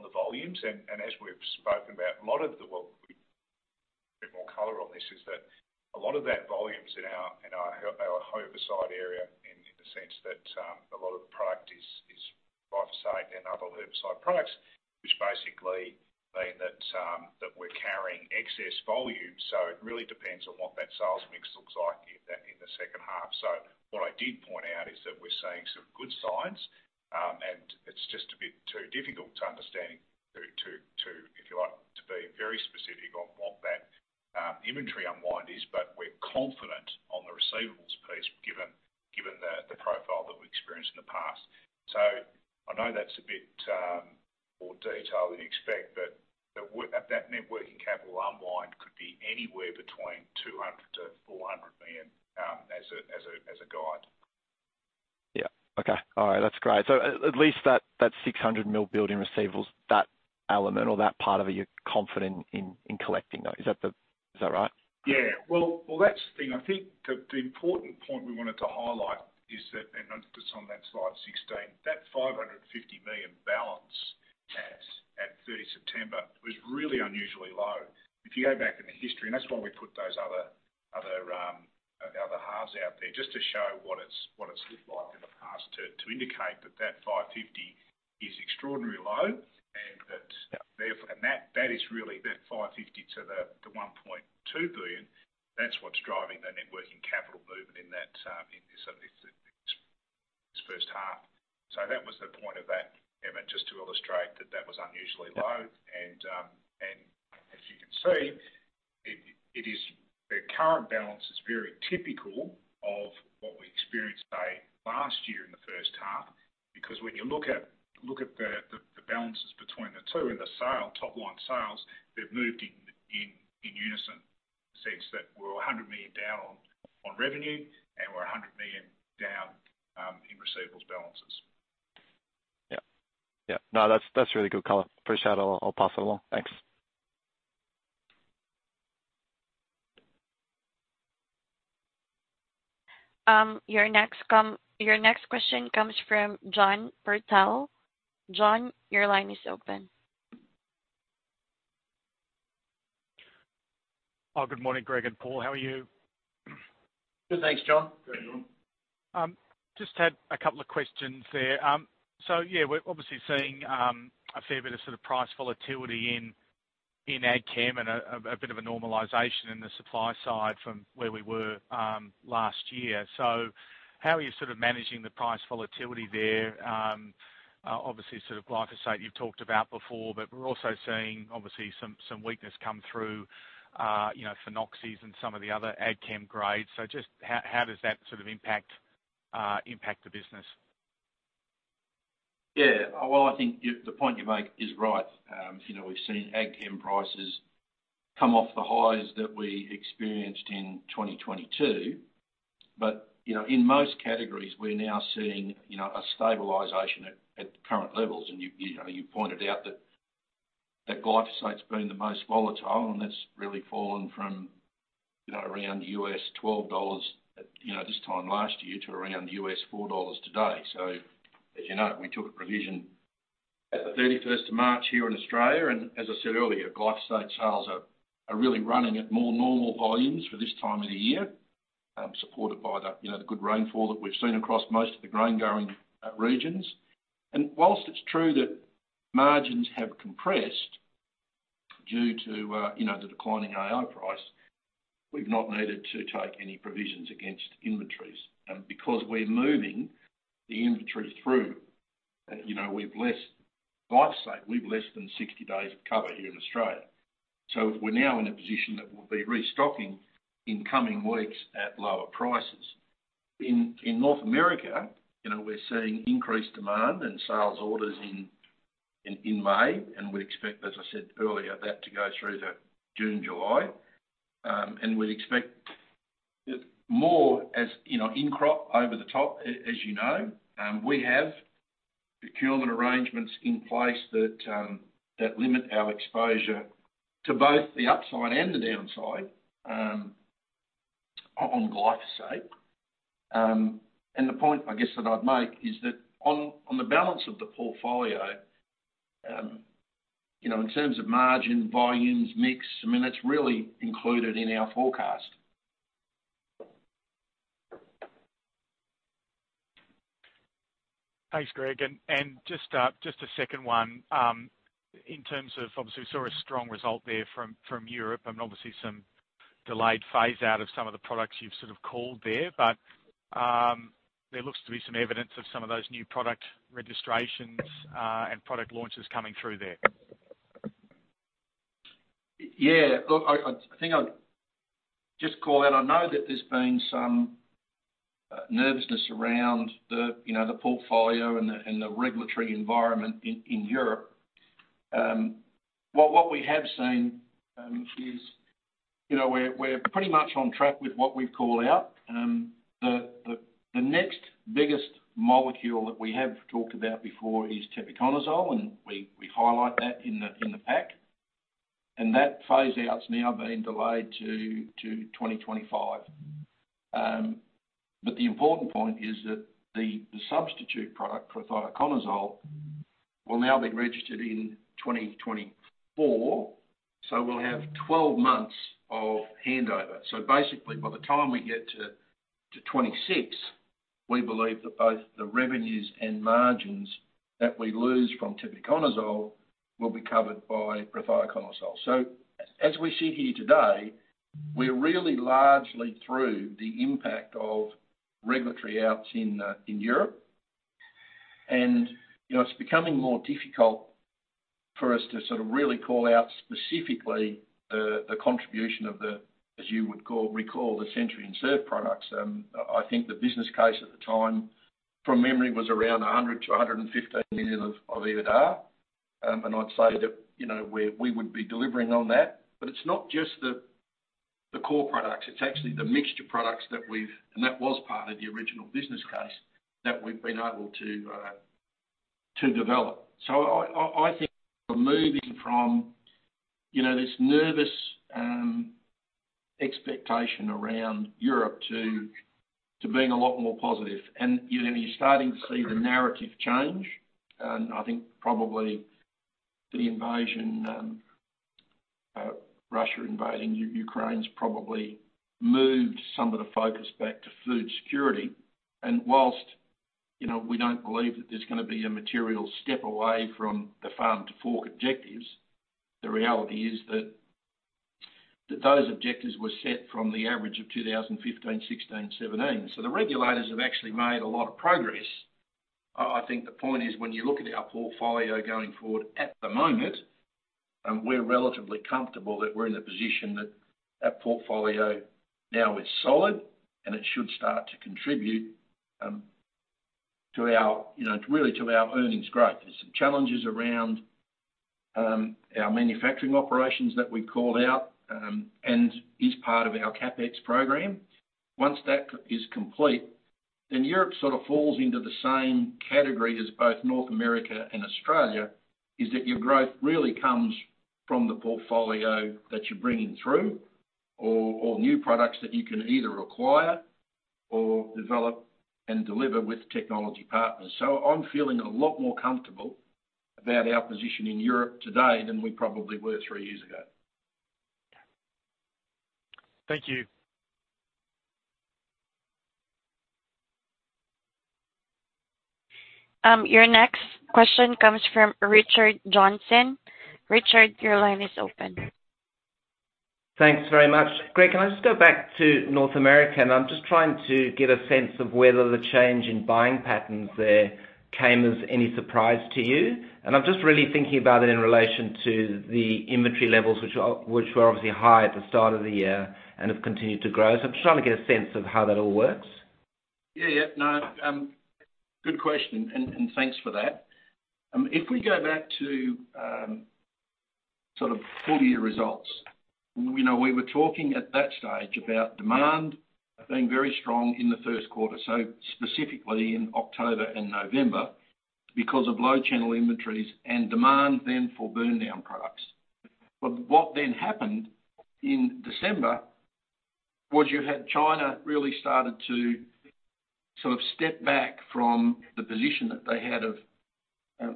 the volumes and as we've spoken about, a lot of the... Well, we... A bit more color on this is that a lot of that volume's in our herbicide area in the sense that a lot of the product is glyphosate and other herbicide products, which basically mean that we're carrying excess volume, it really depends on what that sales mix looks like in the second half. What I did point out is that we're seeing some good signs, and it's just a bit too difficult to understanding to, if you like, to be very specific on what that inventory unwind is, but we're confident on the receivables piece given the profile that we've experienced in the past. I know that's a bit, more detail than you expect, but that net working capital unwind could be anywhere between 200 million to 400 million, as a guide.
Yeah. Okay. All right. That's great. At least that 600 million build in receivables, that element or that part of it, you're confident in collecting, though. Is that right?
Yeah. Well, that's the thing. I think the important point we wanted to highlight is that, it's on that slide 16, that 550 million balance at 30 September was really unusually low. If you go back in the history, that's why we put those other halves out there, just to show what it's, what it's looked like in the past to indicate that 550 is extraordinarily low.
Yeah.
Therefore, and that is really, that 550 to the 1.2 billion, that's what's driving the net working capital movement in that, in this first half. That was the point of that, Evan, just to illustrate that was unusually low and as you can see, it is, the current balance is very typical of what we experienced, say, last year in the first half. When you look at the balances between the two and the sale, top line sales, they've moved in unison in the sense that we're 100 million down on revenue, and we're 100 million down in receivables balances.
Yeah. Yeah. No, that's really good color. Appreciate it. I'll pass it along. Thanks.
Your next question comes from John Purtell. John, your line is open.
Good morning, Greg and Paul. How are you?
Good, thanks, John.
Good, John.
Just had a couple of questions there. Yeah, we're obviously seeing a fair bit of sort of price volatility in Ag Chem and a bit of a normalization in the supply side from where we were last year. How are you sort of managing the price volatility there? Obviously sort of glyphosate you've talked about before, but we're also seeing obviously some weakness come through, you know, phenoxies and some of the other ag chem grades. Just how does that sort of impact the business?
Well, I think the point you make is right. You know, we've seen ag chem prices come off the highs that we experienced in 2022. You know, in most categories, we're now seeing, you know, a stabilization at the current levels. You, you know, you pointed out that glyphosate's been the most volatile, and that's really fallen from, you know, around U.S. $12, you know, this time last year to around U.S. $4 today. As you know, we took a provision at the 31st of March here in Australia, and as I said earlier, glyphosate sales are really running at more normal volumes for this time of the year, supported by the, you know, the good rainfall that we've seen across most of the grain-growing regions. Whilst it's true that margins have compressed due to, you know, the declining AI price, we've not needed to take any provisions against inventories because we're moving the inventory through. You know, we've less glyphosate, we've less than 60 days of cover here in Australia. We're now in a position that we'll be restocking in coming weeks at lower prices. In North America, you know, we're seeing increased demand and sales orders in May, and we expect, as I said earlier, that to go through to June, July. We'd expect more as, you know, in crop over the top, as you know. We have procurement arrangements in place that limit our exposure to both the upside and the downside on glyphosate. The point I guess, that I'd make is that on the balance of the portfolio, you know, in terms of margin, volumes, mix, I mean, that's really included in our forecast.
Thanks, Greg. Just a second one, in terms of, obviously, we saw a strong result there from Europe and obviously some delayed phaseout of some of the products you've sort of called there. There looks to be some evidence of some of those new product registrations and product launches coming through there.
Yeah. Look, I think I'd just call out, I know that there's been some nervousness around the, you know, the portfolio and the regulatory environment in Europe. What we have seen, is, you know, we're pretty much on track with what we've called out. The next biggest molecule that we have talked about before is tebuconazole, and we highlight that in the pack. That phaseout's now been delayed to 2025. The important point is that the substitute product, prothioconazole, will now be registered in 2024, so we'll have 12 months of handover. Basically, by the time we get to '26, we believe that both the revenues and margins that we lose from tebuconazole will be covered by prothioconazole. As we sit here today, we're really largely through the impact of regulatory outs in Europe. You know, it's becoming more difficult for us to sort of really call out specifically the contribution of the, as you would recall the Centry and Serval products. I think the business case at the time, from memory, was around 100 million-115 million of EBITDA. I'd say that, you know, we would be delivering on that. It's not just the core products, it's actually the mixture products that we've. That was part of the original business case that we've been able to develop. I think we're moving from, you know, this nervous expectation around Europe to being a lot more positive. You know, you're starting to see the narrative change. I think probably the invasion, Russia invading Ukraine's probably moved some of the focus back to food security. Whilst, you know, we don't believe that there's gonna be a material step away from the Farm to Fork objectives, the reality is that those objectives were set from the average of 2015, 2016, 2017. The regulators have actually made a lot of progress. I think the point is when you look at our portfolio going forward, at the moment, we're relatively comfortable that we're in a position that our portfolio now is solid and it should start to contribute, to our, you know, to really to our earnings growth. There's some challenges around our manufacturing operations that we called out, and is part of our CapEx program. Once that is complete, Europe sort of falls into the same category as both North America and Australia, is that your growth really comes from the portfolio that you're bringing through or new products that you can either acquire or develop and deliver with technology partners. I'm feeling a lot more comfortable about our position in Europe today than we probably were three years ago.
Thank you.
Your next question comes from Richard Johnson. Richard, your line is open.
Thanks very much. Greg, can I just go back to North America? I'm just trying to get a sense of whether the change in buying patterns there came as any surprise to you. I'm just really thinking about it in relation to the inventory levels, which were obviously high at the start of the year and have continued to grow. I'm just trying to get a sense of how that all works.
Yeah, yeah. No, good question, and thanks for that. If we go back to sort of full year results, you know, we were talking at that stage about demand being very strong in the first quarter, so specifically in October and November because of low channel inventories and demand then for burn down products. What then happened in December was you had China really started to sort of step back from the position that they had of,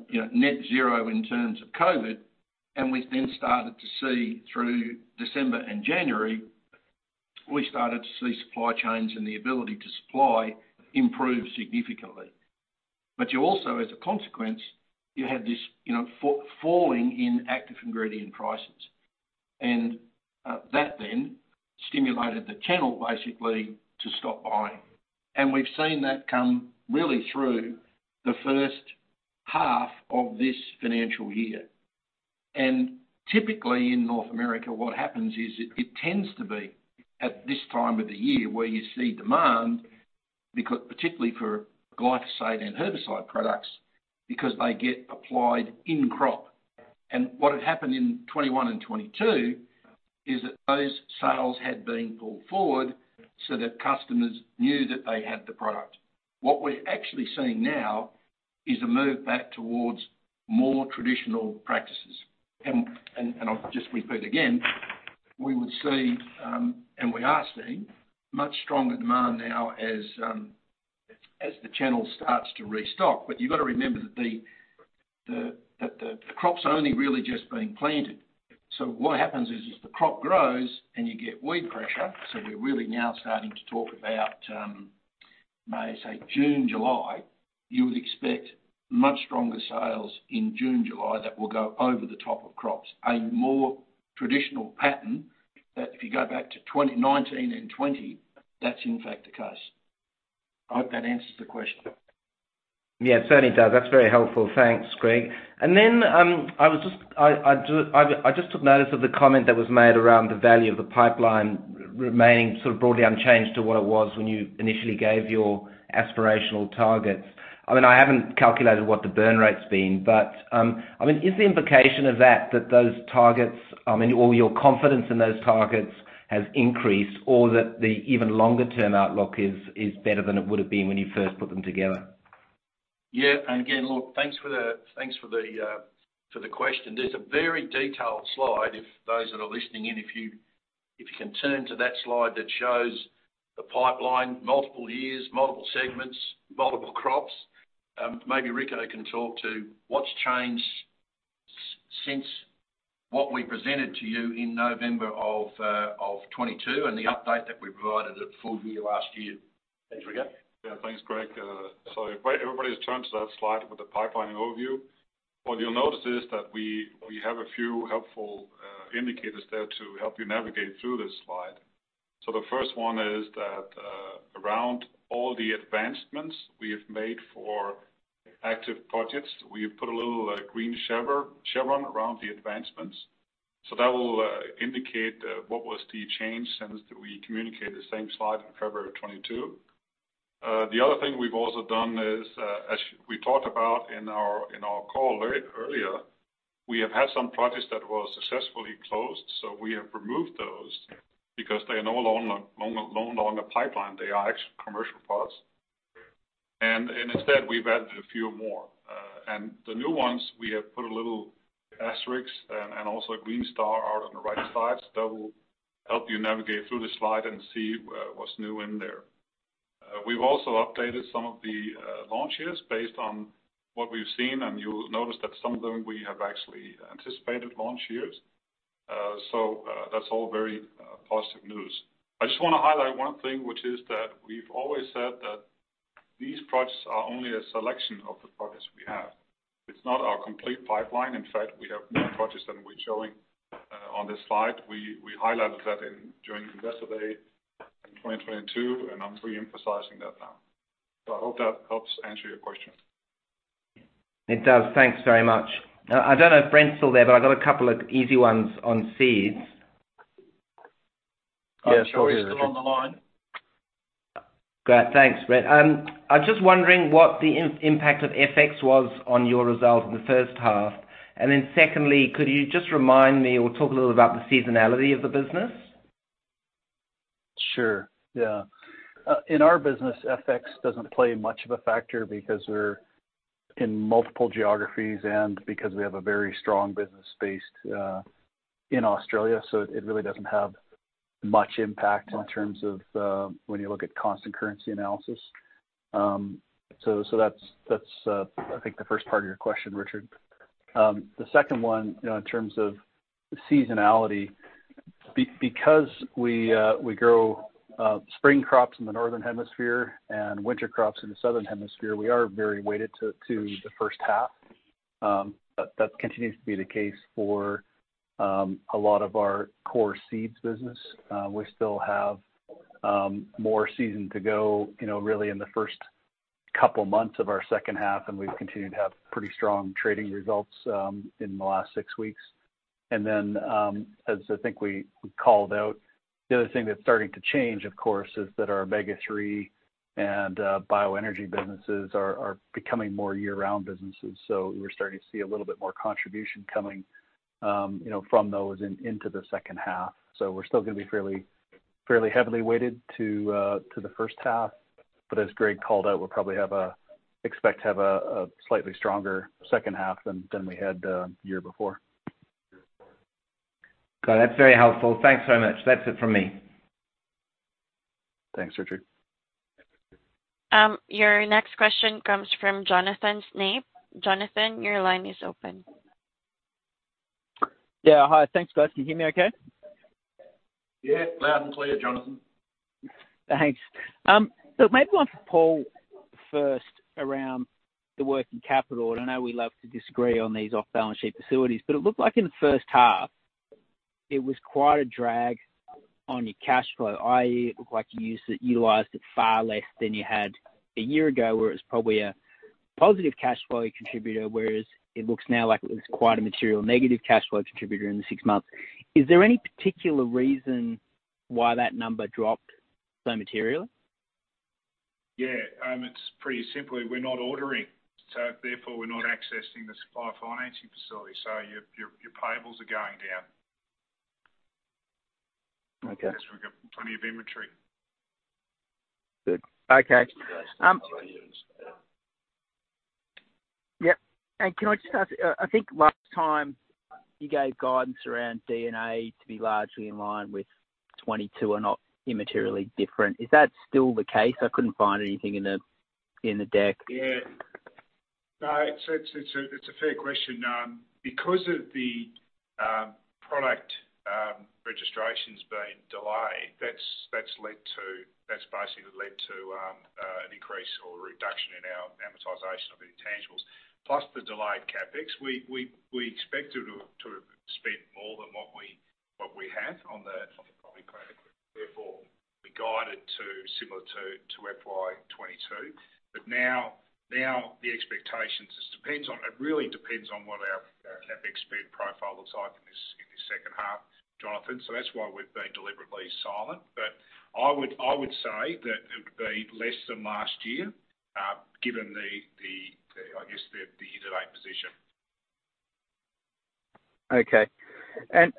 you know, net zero in terms of COVID, and we then started to see through December and January, we started to see supply chains and the ability to supply improve significantly. You also, as a consequence, you had this, you know, falling in active ingredient prices. That then stimulated the channel basically to stop buying. We've seen that come really through the first half of this financial year. Typically, in North America, what happens is it tends to be at this time of the year where you see demand particularly for glyphosate and herbicide products because they get applied in crop. What had happened in 2021 and 2022 is that those sales had been pulled forward so that customers knew that they had the product. What we're actually seeing now is a move back towards more traditional practices. I'll just repeat again, we would see, and we are seeing much stronger demand now as the channel starts to restock. You've got to remember that the crop's only really just being planted. What happens is, as the crop grows and you get weed pressure, so we're really now starting to talk about May, say, June, July, you would expect much stronger sales in June, July that will go over the top of crops. A more traditional pattern that if you go back to 2019 and 2020, that's in fact the case. I hope that answers the question.
Yeah, it certainly does. That's very helpful. Thanks, Greg. I just took notice of the comment that was made around the value of the pipeline remaining sort of broadly unchanged to what it was when you initially gave your aspirational targets. I mean, I haven't calculated what the burn rate's been, but, I mean, is the implication of that those targets, I mean, or your confidence in those targets has increased or that the even longer-term outlook is better than it would have been when you first put them together?
Again, look, thanks for the question. There's a very detailed slide, if those that are listening in, if you can turn to that slide that shows the pipeline, multiple years, multiple segments, multiple crops. Maybe Rico can talk to what's changed since what we presented to you in November of 2022 and the update that we provided at full view last year. Thanks, Rico.
Yes. Thanks, Greg. If everybody turns to that slide with the pipeline overview, what you'll notice is that we have a few helpful indicators there to help you navigate through this slide. The first one is that around all the advancements we have made for active projects, we've put a little green chevron around the advancements. That will indicate what was the change since we communicated the same slide in February of 2022. The other thing we've also done is as we talked about in our call earlier, we have had some projects that were successfully closed. We have removed those because they are no longer in the pipeline. They are actual commercial products. Instead, we've added a few more. The new ones, we have put a little asterisks and also a green star out on the right side. That will help you navigate through the slide and see what's new in there. We've also updated some of the launch years based on what we've seen, and you'll notice that some of them we have actually anticipated launch years. That's all very positive news. I just wanna highlight one thing, which is that we've always said that these projects are only a selection of the projects we have. It's not our complete pipeline. In fact, we have more projects than we're showing on this slide. We highlighted that during Investor Day in 2022, and I'm re-emphasizing that now. I hope that helps answer your question.
It does. Thanks very much. I don't know if Brent's still there, but I got a couple of easy ones on seeds.
Yeah, sure.
Is Brent still on the line?
Great. Thanks, Brent. I'm just wondering what the impact of FX was on your results in the first half. Secondly, could you just remind me or talk a little about the seasonality of the business?
Sure, yeah. In our business, FX doesn't play much of a factor because we're in multiple geographies and because we have a very strong business based in Australia. It really doesn't have much impact in terms of when you look at constant currency analysis. That's I think the first part of your question, Richard. The second one, you know, in terms of seasonality, because we grow spring crops in the northern hemisphere and winter crops in the southern hemisphere, we are very weighted to the first half. That continues to be the case for a lot of our core seeds business. We still have more season to go, you know, really in the first couple months of our second half, and we've continued to have pretty strong trading results in the last six weeks. As I think we called out, the other thing that's starting to change, of course, is that our Omega-3 and bioenergy businesses are becoming more year-round businesses. We're starting to see a little bit more contribution coming, you know, from those into the second half. We're still gonna be fairly heavily weighted to the first half, but as Greg called out, we'll probably expect to have a slightly stronger second half than we had the year before.
Got it. That's very helpful. Thanks very much. That's it from me.
Thanks, Richard.
Your next question comes from Jonathan Snape. Jonathan, your line is open.
Yeah. Hi. Thanks, guys. Can you hear me okay?
Yeah. Loud and clear, Jonathan.
Thanks. Look, maybe one for Paul first around the working capital. I know we love to disagree on these off-balance-sheet facilities, it looked like in the first half, it was quite a drag on your cash flow, i.e., it looked like you used it, utilized it far less than you had a year ago, where it's probably a positive cash flow contributor, whereas it looks now like it was quite a material negative cash flow contributor in the six months. Is there any particular reason why that number dropped so materially?
Yeah. It's pretty simply we're not ordering, so therefore we're not accessing the supplier financing facility. Your payables are going down.
Okay.
We've got plenty of inventory.
Good. Okay. Yep. Can I just ask, I think last time you gave guidance around D&A to be largely in line with 2022 are not immaterially different. Is that still the case? I couldn't find anything in the, in the deck.
No, it's a fair question. Because of the product registrations being delayed, that's basically led to a decrease or a reduction in our amortization of intangibles, plus the delayed CapEx. We expected to have spent more than what we have on the product. We guided to similar to FY22. Now it really depends on what our CapEx spend profile looks like in this second half, Jonathan. That's why we've been deliberately silent. I would say that it would be less than last year, given the, I guess, the delayed position.
Okay.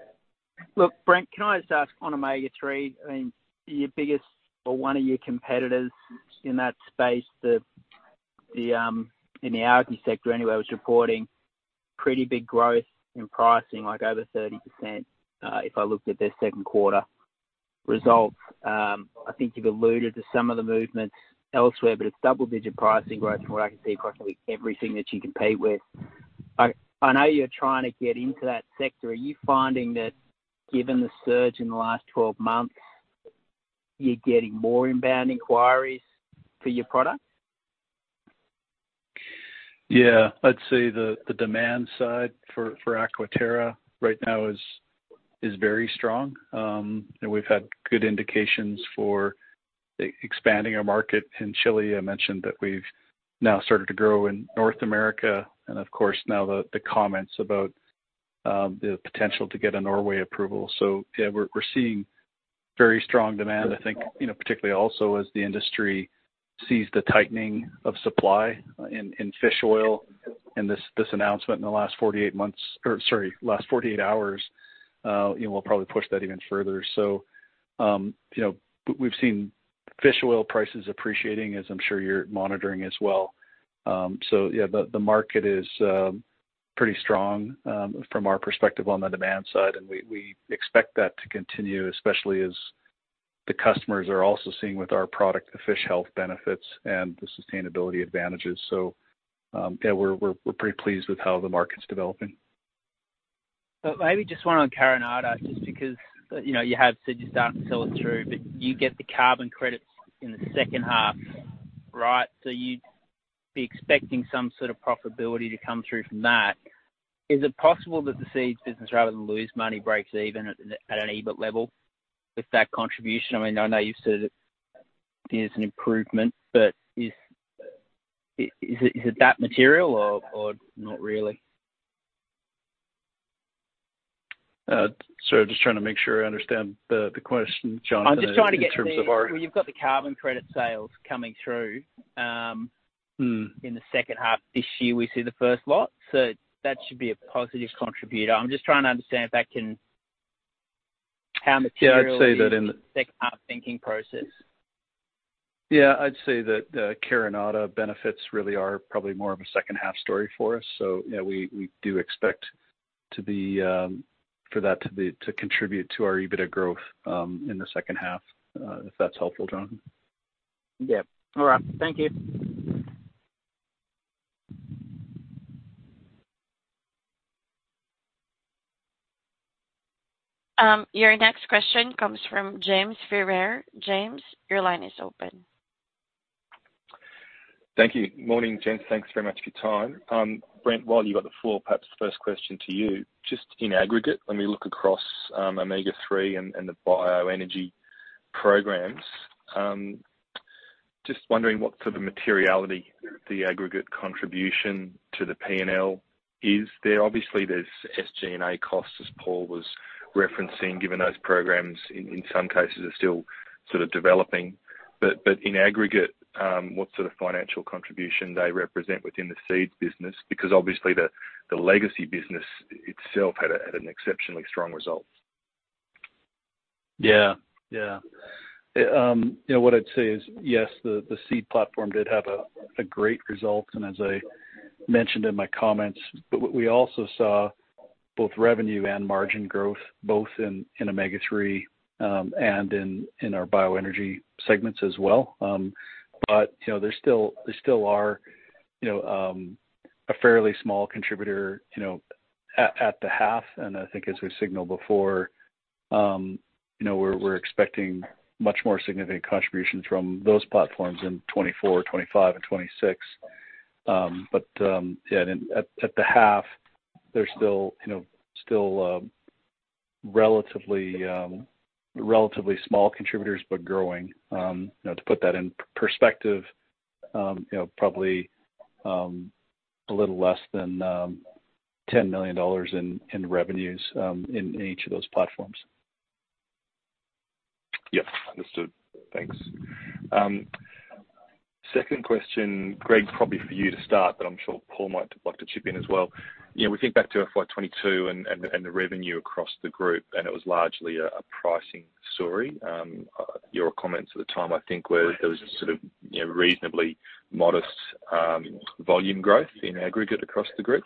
Look, Brent, can I just ask on Omega-3, I mean, your biggest or one of your competitors in that space, in the agri sector anyway, was reporting pretty big growth in pricing, like over 30%, if I looked at their second quarter results. I think you've alluded to some of the movements elsewhere, but it's double-digit pricing growth from what I can see across probably everything that you compete with. I know you're trying to get into that sector. Are you finding that given the surge in the last 12 months, you're getting more inbound inquiries for your product?
Yeah. I'd say the demand side for AquaTerra right now is very strong. You know, we've had good indications for expanding our market in Chile. I mentioned that we've now started to grow in North America and of course, now the comments about, the potential to get a Norway approval. Yeah, we're seeing very strong demand. I think, you know, particularly also as the industry sees the tightening of supply in fish oil and this announcement in the last 48 months or sorry, last 48 hours, you know, we'll probably push that even further. You know, we've seen fish oil prices appreciating, as I'm sure you're monitoring as well. Yeah, the market is pretty strong from our perspective on the demand side. We expect that to continue, especially as the customers are also seeing with our product, the fish health benefits and the sustainability advantages. Yeah, we're pretty pleased with how the market's developing.
Maybe just one on Carinata, just because, you know, you have said you're starting to sell it through, but you get the carbon credits in the second half, right? You'd be expecting some sort of profitability to come through from that. Is it possible that the seeds business rather than lose money breaks even at an EBIT level with that contribution? I mean, I know you've said that there's an improvement, but is it that material or not really?
Sorry, just trying to make sure I understand the question, Jonathan, in terms of our.
Well, you've got the carbon credit sales coming through.
Mm.
In the second half this year, we see the first lot, so that should be a positive contributor. I'm just trying to understand how material...
Yeah. I'd say that in the...
It is in the second half thinking process.
I'd say that Carinata benefits really are probably more of a second half story for us. We do expect to be for that to be to contribute to our EBITA growth in the second half, if that's helpful, Jonathan.
Yeah. All right. Thank you.
Your next question comes from James Ferrier. James, your line is open.
Thank you. Morning, gents. Thanks very much for your time. Brent, while you've got the floor, perhaps the first question to you. Just in aggregate, when we look across Omega-3 and the bioenergy programs, just wondering what sort of materiality the aggregate contribution to the P&L is. There obviously there's SG&A costs, as Paul was referencing, given those programs in some cases are still sort of developing. In aggregate, what sort of financial contribution they represent within the seeds business? Obviously the legacy business itself had an exceptionally strong result.
Yeah. Yeah. You know, what I'd say is, yes, the seed platform did have a great result, and as I mentioned in my comments. We also saw both revenue and margin growth both in Omega-3 and in our bioenergy segments as well. You know, they still are, you know, a fairly small contributor, you know, at the half, and I think as we signaled before, you know, we're expecting much more significant contributions from those platforms in 2024, 2025 and 2026. Yeah, at the half, they're still, you know, relatively small contributors, but growing. You know, to put that in perspective, you know, probably a little less than 10 million dollars in revenues in each of those platforms.
Yep, understood. Thanks. Second question, Greg, probably for you to start, but I'm sure Paul might like to chip in as well. You know, we think back to FY 2022 and the revenue across the group, and it was largely a pricing story. Your comments at the time I think were there was sort of, you know, reasonably modest volume growth in aggregate across the group.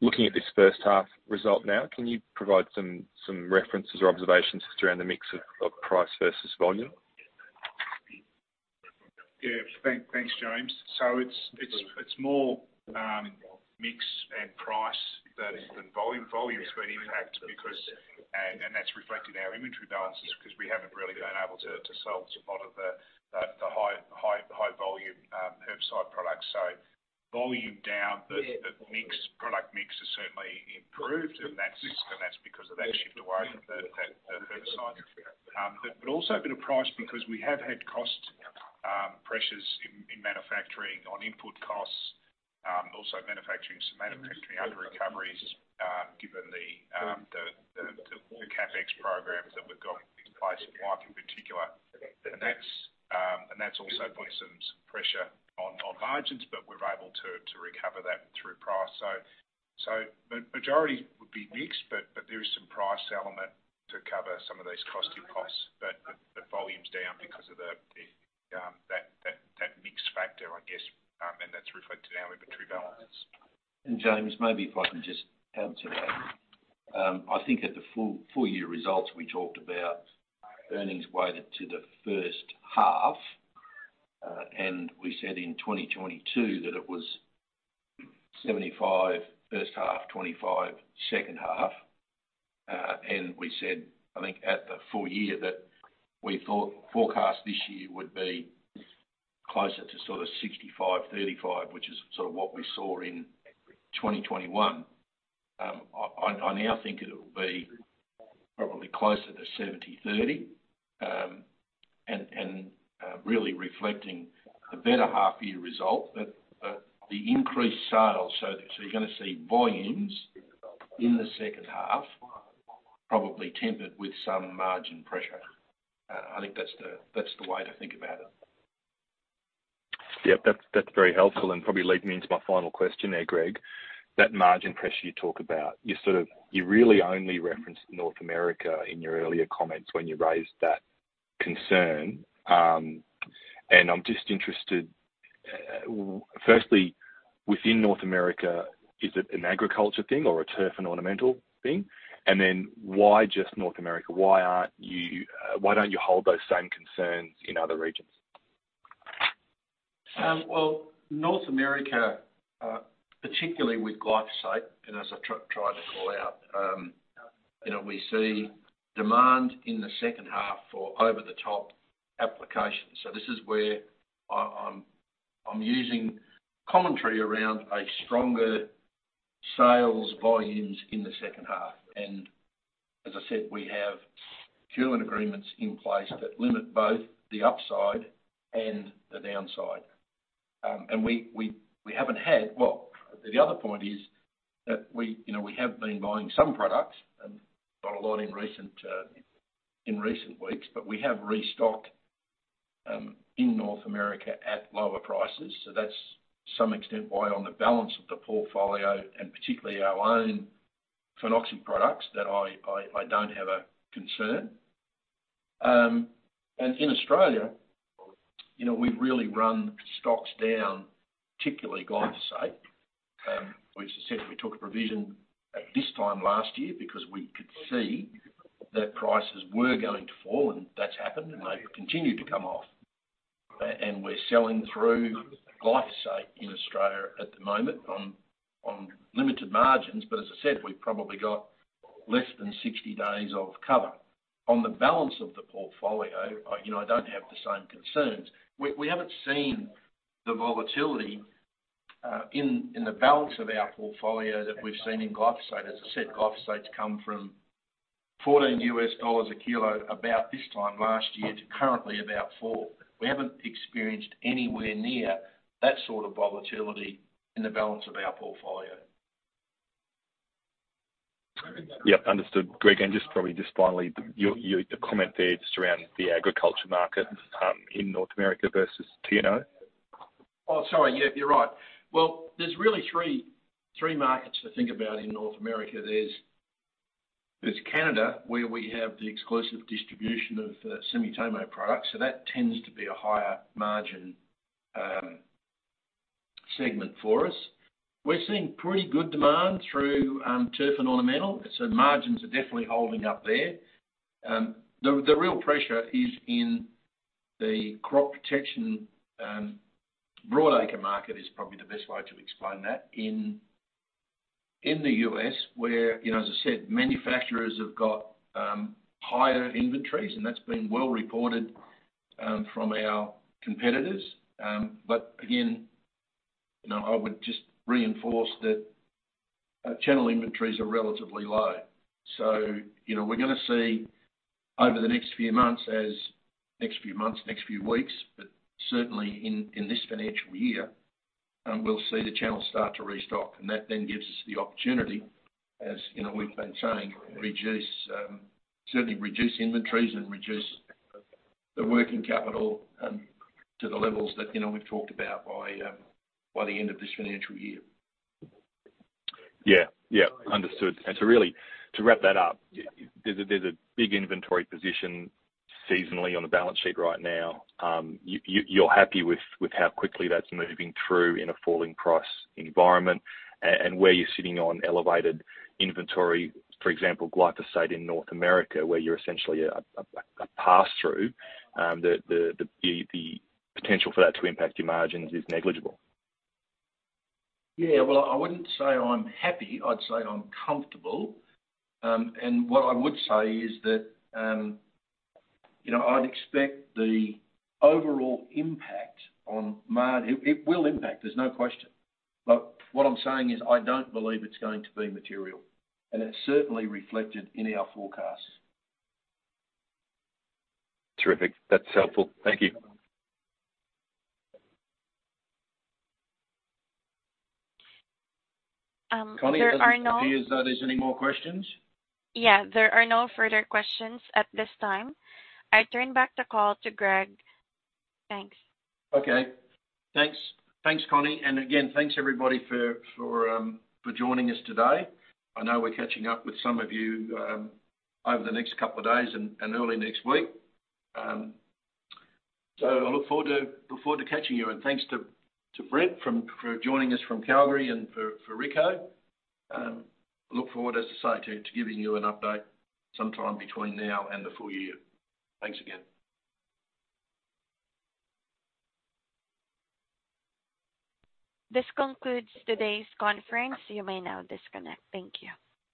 Looking at this first half result now, can you provide some references or observations just around the mix of price versus volume?
Thanks, James. It's more mix and price than volume. Volume's been impact because that's reflected in our inventory balances 'cause we haven't really been able to sell a lot of the high volume herbicide products. Volume down. The mix, product mix has certainly improved, and that's because of that shift away from the herbicide. But also a bit of price because we have had cost pressures in manufacturing on input costs, also some manufacturing underrecoveries given the CapEx programs that we've got in place, Wyke in particular. That's also putting some pressure on margins, but we're able to recover that through price. Majority would be mix, but there is some price element to cover some of these costing costs. The volume's down because of the that mix factor, I guess, and that's reflected in our inventory balances. James, maybe if I can just add to that. I think at the full year results, we talked about earnings weighted to the first half. We said in 2022 that it was 75% first half, 25% second half. We said, I think at the full year that we thought forecast this year would be closer to 65%-35%, which is what we saw in 2021. I now think it'll be probably closer to 70%/30%. Really reflecting the better half year result that the increased sales. You're gonna see volumes in the second half probably tempered with some margin pressure. I think that's the way to think about it.
Yeah. That's, that's very helpful and probably leading into my final question there, Greg. That margin pressure you talk about, you sort of, you really only referenced North America in your earlier comments when you raised that concern. I'm just interested, firstly, within North America, is it an agriculture thing or a turf and ornamental thing? Why just North America? Why aren't you, why don't you hold those same concerns in other regions?
Well, North America, particularly with glyphosate and as I tried to call out, you know, we see demand in the second half for over-the-top applications. This is where I'm using commentary around a stronger sales volumes in the second half. As I said, we have tolling agreements in place that limit both the upside and the downside. Well, the other point is that we, you know, we have been buying some products and not a lot in recent weeks, but we have restocked in North America at lower prices. That's some extent why on the balance of the portfolio, and particularly our own phenoxy products that I don't have a concern. In Australia, you know, we've really run stocks down, particularly glyphosate. Which essentially we took a provision at this time last year because we could see that prices were going to fall, and that's happened, and they've continued to come off.
We're selling through glyphosate in Australia at the moment on limited margins. As I said, we've probably got less than 60 days of cover. On the balance of the portfolio, you know, I don't have the same concerns. We haven't seen the volatility in the balance of our portfolio that we've seen in glyphosate. As I said, glyphosate come from $14 a kilo about this time last year to currently about $4. We haven't experienced anywhere near that sort of volatility in the balance of our portfolio.
Yep, understood, Greg. just probably, just finally, your comment there just around the agriculture market, in North America versus TNO.
Sorry. You're right. There's really three markets to think about in North America. There's Canada, where we have the exclusive distribution of Sumitomo products, so that tends to be a higher margin segment for us. We're seeing pretty good demand through turf and ornamental, so margins are definitely holding up there. The real pressure is in the crop protection broadacre market is probably the best way to explain that. In the U.S., where, you know, as I said, manufacturers have got higher inventories, and that's been well reported from our competitors. Again, you know, I would just reinforce that channel inventories are relatively low. you know, we're gonna see over the next few months, next few weeks, but certainly in this financial year, we'll see the channel start to restock. That then gives us the opportunity as, you know, we've been saying, reduce, certainly reduce inventories and reduce the working capital to the levels that, you know, we've talked about by the end of this financial year.
Yeah. Yeah. Understood. Really, to wrap that up, there's a big inventory position seasonally on the balance sheet right now. You're happy with how quickly that's moving through in a falling price environment and where you're sitting on elevated inventory, for example, glyphosate in North America, where you're essentially a pass-through, the potential for that to impact your margins is negligible.
Yeah. Well, I wouldn't say I'm happy. I'd say I'm comfortable. What I would say is that, you know, I'd expect the overall impact on it will impact, there's no question. What I'm saying is I don't believe it's going to be material, it's certainly reflected in our forecasts.
Terrific. That's helpful. Thank you.
Connie-
There are no-
It doesn't appear as though there's any more questions?
Yeah, there are no further questions at this time. I turn back the call to Greg. Thanks.
Okay. Thanks. Thanks, Connie. Again, thanks everybody for joining us today. I know we're catching up with some of you over the next couple of days and early next week. I look forward to catching you. Thanks to Brent for joining us from Calgary and for Rico. Look forward, as I say, to giving you an update sometime between now and the full year. Thanks again.
This concludes today's conference. You may now disconnect. Thank you.